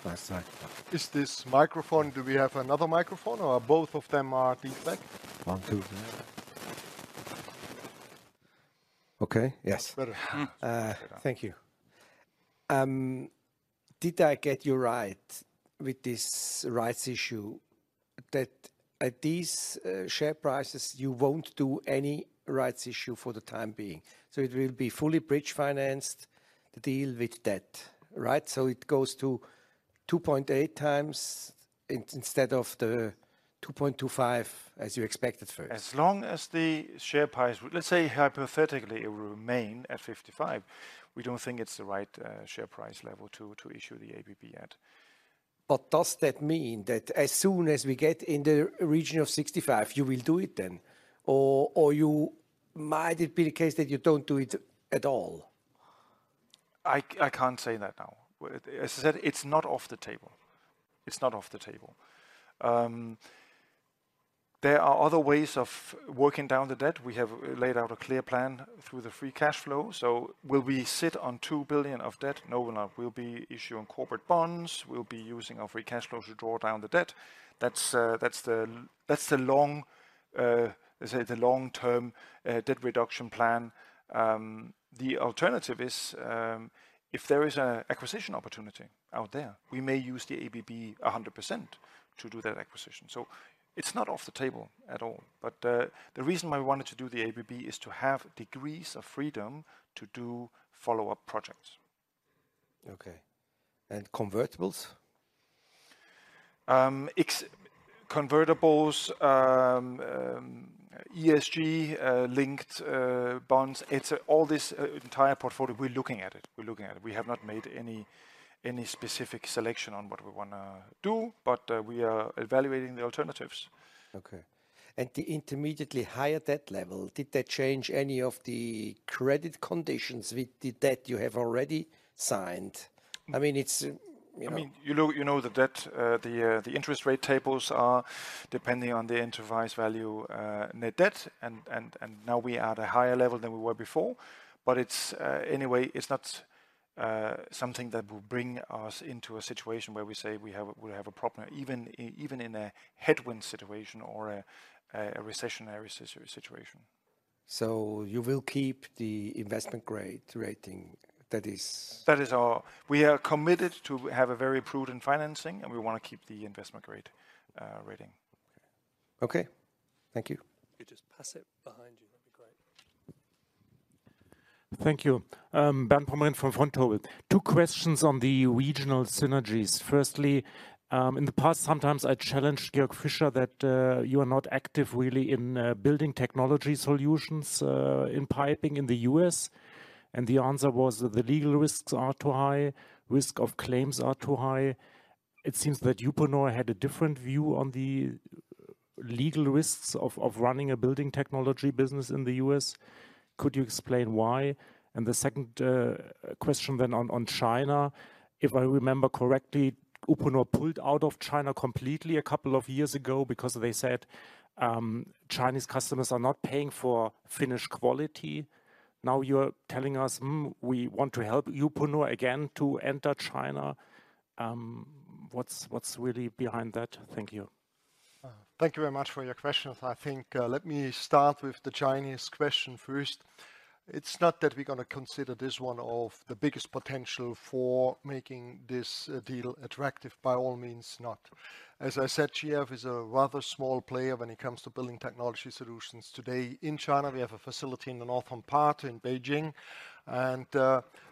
S4: Nice, sorry.
S6: Is this microphone? Do we have another microphone, or both of them are defective?
S4: One, two.
S6: Okay, yes.
S4: That's better.
S6: Thank you. Did I get you right with this rights issue, that at these share prices, you won't do any rights issue for the time being? So it will be fully bridge financed, the deal with debt, right? So it goes to 2.8 times instead of the 2.25, as you expected first.
S4: As long as the share price, let's say hypothetically, it will remain at 55, we don't think it's the right share price level to issue the ABB yet.
S6: But does that mean that as soon as we get in the region of 65, you will do it then, or, or you... Might it be the case that you don't do it at all?
S4: I can't say that now. But as I said, it's not off the table. It's not off the table. There are other ways of working down the debt. We have laid out a clear plan through the free cash flow. So will we sit on 2 billion of debt? No, we're not. We'll be issuing corporate bonds. We'll be using our free cash flow to draw down the debt. That's the long-term debt reduction plan. The alternative is, if there is an acquisition opportunity out there, we may use the ABB 100% to do that acquisition. So it's not off the table at all. But the reason why we wanted to do the ABB is to have degrees of freedom to do follow-up projects.
S6: Okay. And convertibles?
S4: Convertibles, ESG linked bonds, it's all this entire portfolio. We're looking at it, we're looking at it. We have not made any specific selection on what we wanna do, but we are evaluating the alternatives.
S6: Okay. And the intermediately higher debt level, did that change any of the credit conditions with the debt you have already signed?
S4: No.
S6: I mean, it's, you know-
S4: I mean, you know, you know the debt, the interest rate tables are depending on the enterprise value, net debt, and now we are at a higher level than we were before. But it's, anyway, it's not something that will bring us into a situation where we say we have a, we have a problem, even in a headwind situation or a recessionary situation.
S6: You will keep the investment grade rating, that is-
S4: We are committed to have a very prudent financing, and we want to keep the investment-grade rating.
S6: Okay. Thank you.
S4: You just pass it behind you. That'd be great.
S7: Thank you. Bernd Pommerenke from FrontRow. Two questions on the regional synergies. Firstly, in the past, sometimes I challenged Georg Fischer that, you are not active really in, building technology solutions, in piping in the U.S., and the answer was that the legal risks are too high, risk of claims are too high. It seems that Uponor had a different view on the legal risks of running a building technology business in the U.S. Could you explain why? And the second, question then on, China: If I remember correctly, Uponor pulled out of China completely a couple of years ago because they said, Chinese customers are not paying for Finnish quality. Now, you're telling us, "Mm, we want to help Uponor again to enter China." What's really behind that? Thank you....
S2: Thank you very much for your questions. I think, let me start with the Chinese question first. It's not that we're gonna consider this one of the biggest potential for making this, deal attractive, by all means, not. As I said, GF is a rather small player when it comes to building technology solutions today. In China, we have a facility in the northern part, in Beijing, and,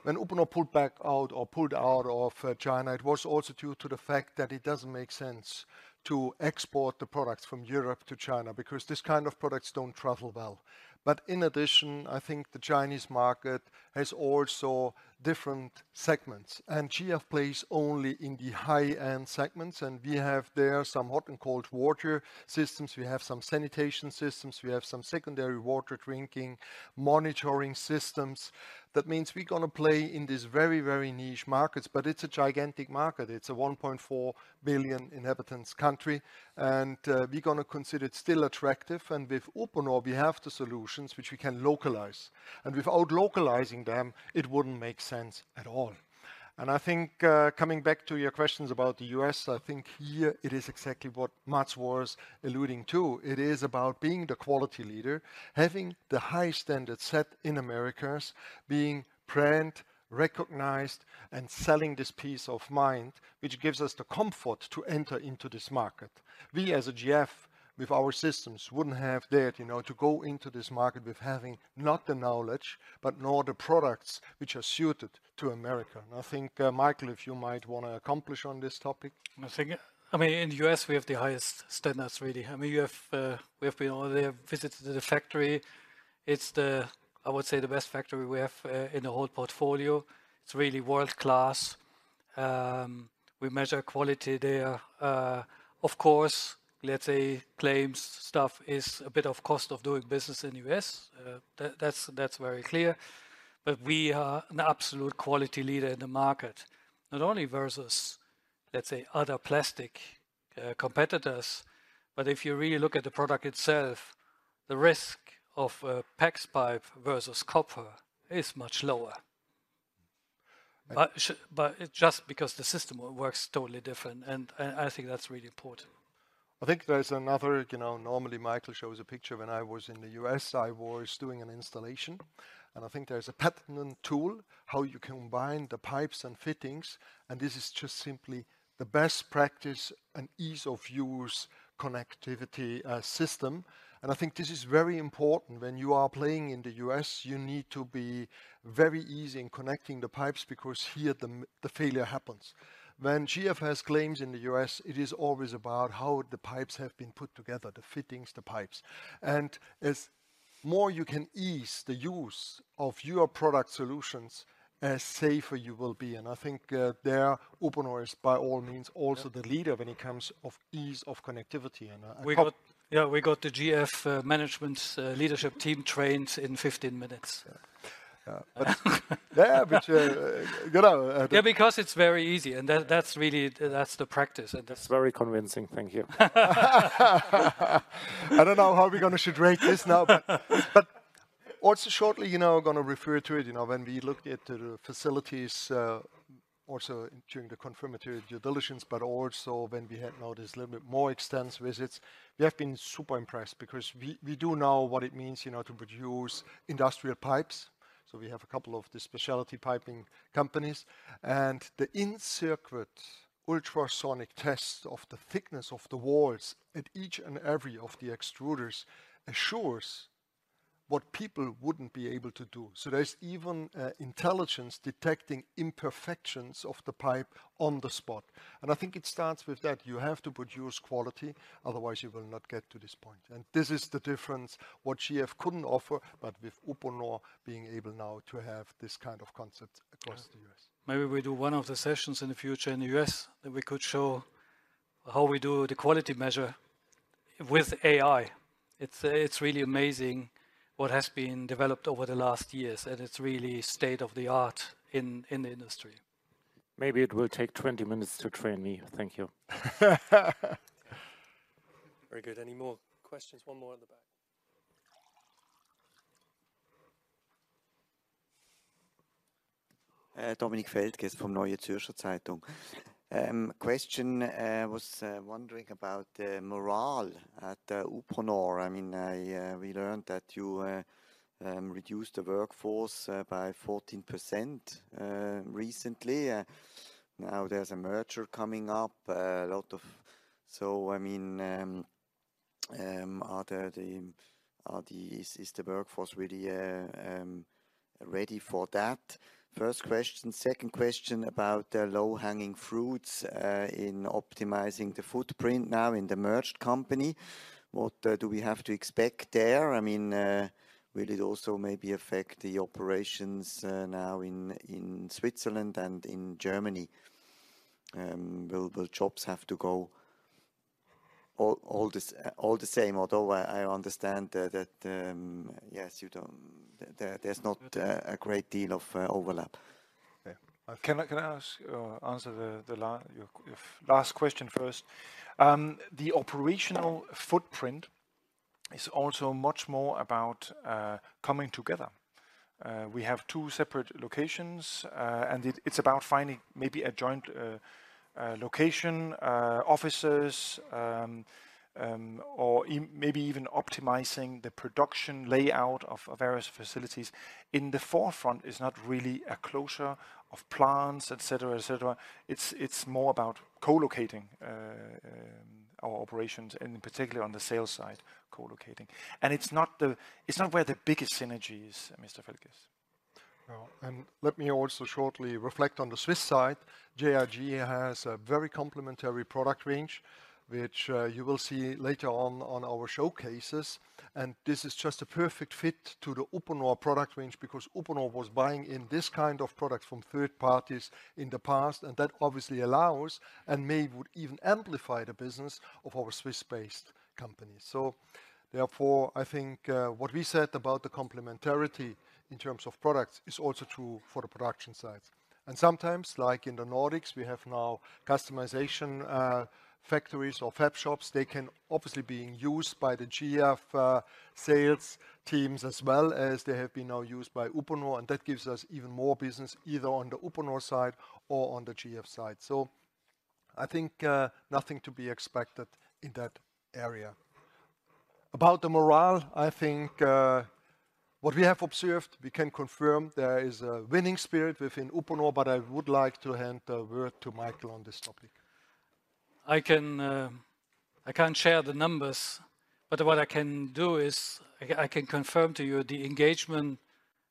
S2: when Uponor pulled back out or pulled out of, China, it was also due to the fact that it doesn't make sense to export the products from Europe to China, because these kind of products don't travel well. But in addition, I think the Chinese market has also different segments, and GF plays only in the high-end segments, and we have there some hot and cold water systems, we have some sanitation systems, we have some secondary water drinking monitoring systems. That means we're gonna play in these very, very niche markets, but it's a gigantic market. It's a 1.4 billion inhabitants country, and we're gonna consider it still attractive. And with Uponor, we have the solutions which we can localize, and without localizing them, it wouldn't make sense at all. And I think, coming back to your questions about the U.S., I think here it is exactly what Mads was alluding to. It is about being the quality leader, having the high standard set in Americas, being brand recognized and selling this peace of mind, which gives us the comfort to enter into this market. We, as a GF, with our systems, wouldn't have dared, you know, to go into this market with having not the knowledge, but nor the products which are suited to America. And I think, Michael, if you might wanna accomplish on this topic.
S3: I think, I mean, in the U.S., we have the highest standards, really. I mean, you have, we have been over there, visited the factory. It's the, I would say, the best factory we have in the whole portfolio. It's really world-class. We measure quality there. Of course, let's say, claims stuff is a bit of cost of doing business in U.S. That's very clear. But we are an absolute quality leader in the market, not only versus, let's say, other plastic competitors, but if you really look at the product itself, the risk of a PEX pipe versus copper is much lower. But it's just because the system works totally different, and I think that's really important.
S2: I think there's another. You know, normally, Michael shows a picture. When I was in the U.S., I was doing an installation, and I think there's a patent tool, how you combine the pipes and fittings, and this is just simply the best practice and ease-of-use connectivity, system. And I think this is very important. When you are playing in the U.S., you need to be very easy in connecting the pipes, because here, the failure happens. When GF has claims in the U.S., it is always about how the pipes have been put together, the fittings, the pipes. And as more you can ease the use of your product solutions, safer you will be. And I think, there, Uponor is, by all means, also the leader when it comes of ease of connectivity, and
S3: Yeah, we got the GF management leadership team trained in 15 minutes.
S2: Yeah, yeah. But, you know,
S3: Yeah, because it's very easy, and that, that's really, that's the practice, and that's-
S7: Very convincing. Thank you.
S2: I don't know how we're gonna rate this now, but also shortly, you know, gonna refer to it, you know, when we looked at the facilities, also during the confirmatory due diligence, but also when we had now this little bit more extensive visits. We have been super impressed because we, we do know what it means, you know, to produce industrial pipes. So we have a couple of the specialty piping companies, and the in-circuit ultrasonic test of the thickness of the walls at each and every of the extruders assures what people wouldn't be able to do. So there's even intelligence detecting imperfections of the pipe on the spot. And I think it starts with that. You have to produce quality, otherwise you will not get to this point. This is the difference, what GF couldn't offer, but with Uponor being able now to have this kind of concept across the US.
S3: Maybe we do one of the sessions in the future in the U.S., then we could show how we do the quality measure with AI. It's really amazing what has been developed over the last years, and it's really state-of-the-art in the industry.
S7: Maybe it will take 20 minutes to train me. Thank you.
S1: Very good. Any more questions? One more at the back.
S8: Dominik Feldges from Neue Zürcher Zeitung. Question, was wondering about the morale at Uponor. I mean, we learned that you reduced the workforce by 14% recently. Now there's a merger coming up, a lot of... So I mean, is the workforce really ready for that? First question. Second question, about the low-hanging fruits in optimizing the footprint now in the merged company. What do we have to expect there? I mean, will it also maybe affect the operations now in Switzerland and in Germany? Will jobs have to go all the same, although I understand that, yes, you don't—there, there's not a great deal of overlap.
S2: Yeah. Can I ask or answer the last question first? The operational footprint-...
S4: It's also much more about coming together. We have two separate locations, and it, it's about finding maybe a joint location, offices, or maybe even optimizing the production layout of various facilities. In the forefront, is not really a closure of plants, et cetera, et cetera. It's more about co-locating our operations, and in particular, on the sales side, co-locating. And it's not the- it's not where the biggest synergy is, Mr. Feldges.
S2: Well, and let me also shortly reflect on the Swiss side. JRG has a very complementary product range, which, you will see later on, on our showcases, and this is just a perfect fit to the Uponor product range, because Uponor was buying in this kind of product from third parties in the past, and that obviously allows, and may would even amplify the business of our Swiss-based company. So therefore, I think, what we said about the complementarity in terms of products is also true for the production sides. And sometimes, like in the Nordics, we have now customization, factories or fab shops. They can obviously being used by the GF, sales teams as well as they have been now used by Uponor, and that gives us even more business, either on the Uponor side or on the GF side. I think, nothing to be expected in that area. About the morale, I think, what we have observed, we can confirm there is a winning spirit within Uponor, but I would like to hand the word to Michael on this topic.
S3: I can, I can't share the numbers, but what I can do is I can confirm to you, the engagement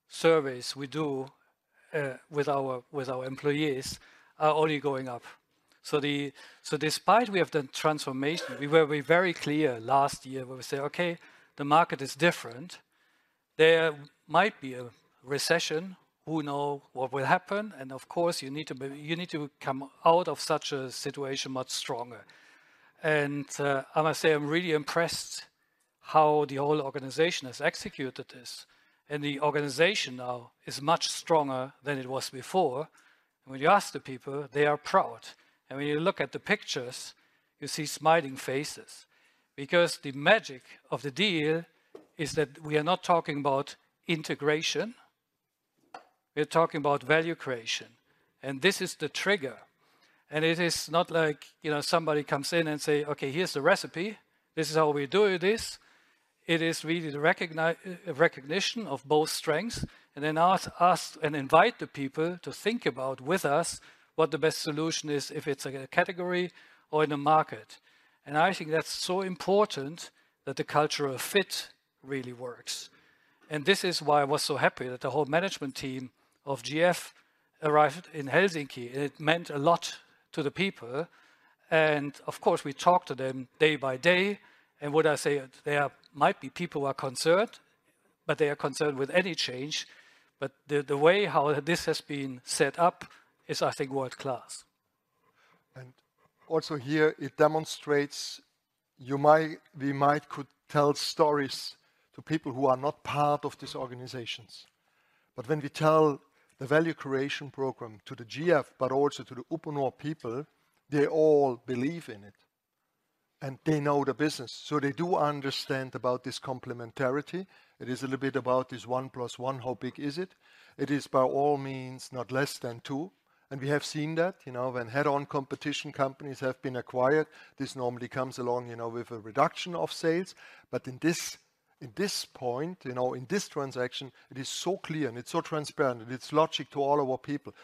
S3: surveys we do with our employees are only going up. So despite we have done transformation, we were very clear last year when we say, "Okay, the market is different. There might be a recession. Who know what will happen? And of course, you need to be, you need to come out of such a situation much stronger." And I must say, I'm really impressed how the whole organization has executed this, and the organization now is much stronger than it was before. When you ask the people, they are proud, and when you look at the pictures, you see smiling faces. Because the magic of the deal is that we are not talking about integration. We're talking about value creation, and this is the trigger. It is not like, you know, somebody comes in and say, "Okay, here's the recipe. This is how we do this." It is really the recognition of both strengths, and then invite the people to think about with us what the best solution is, if it's a category or in a market. I think that's so important that the cultural fit really works. This is why I was so happy that the whole management team of GF arrived in Helsinki, and it meant a lot to the people. Of course, we talked to them day by day, and what I say, there might be people who are concerned, but they are concerned with any change. The way how this has been set up is, I think, world-class.
S2: Also here, it demonstrates you might, we might could tell stories to people who are not part of these organizations. But when we tell the value creation program to the GF, but also to the Uponor people, they all believe in it, and they know the business, so they do understand about this complementarity. It is a little bit about this one plus one, how big is it? It is by all means, not less than two, and we have seen that. You know, when head-on competition companies have been acquired, this normally comes along, you know, with a reduction of sales. But in this, in this point, you know, in this transaction, it is so clear and it's so transparent, and it's logic to all of our people.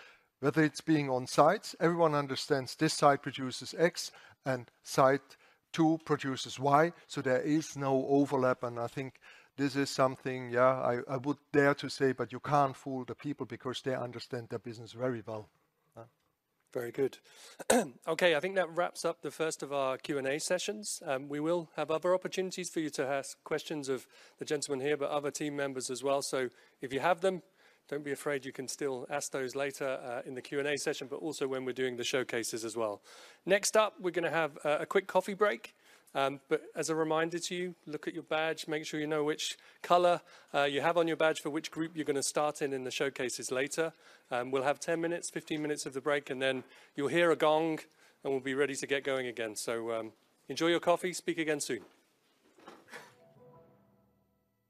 S2: Whether it's being on sites, everyone understands this site produces X, and site two produces Y, so there is no overlap, and I think this is something, yeah, I would dare to say, but you can't fool the people because they understand their business very well.
S1: Very good. Okay, I think that wraps up the first of our Q&A sessions. We will have other opportunities for you to ask questions of the gentlemen here, but other team members as well. So if you have them, don't be afraid, you can still ask those later, in the Q&A session, but also when we're doing the showcases as well. Next up, we're gonna have a quick coffee break, but as a reminder to you, look at your badge, make sure you know which color you have on your badge for which group you're gonna start in, in the showcases later. We'll have 10 minutes, 15 minutes of the break, and then you'll hear a gong, and we'll be ready to get going again. So, enjoy your coffee. Speak again soon.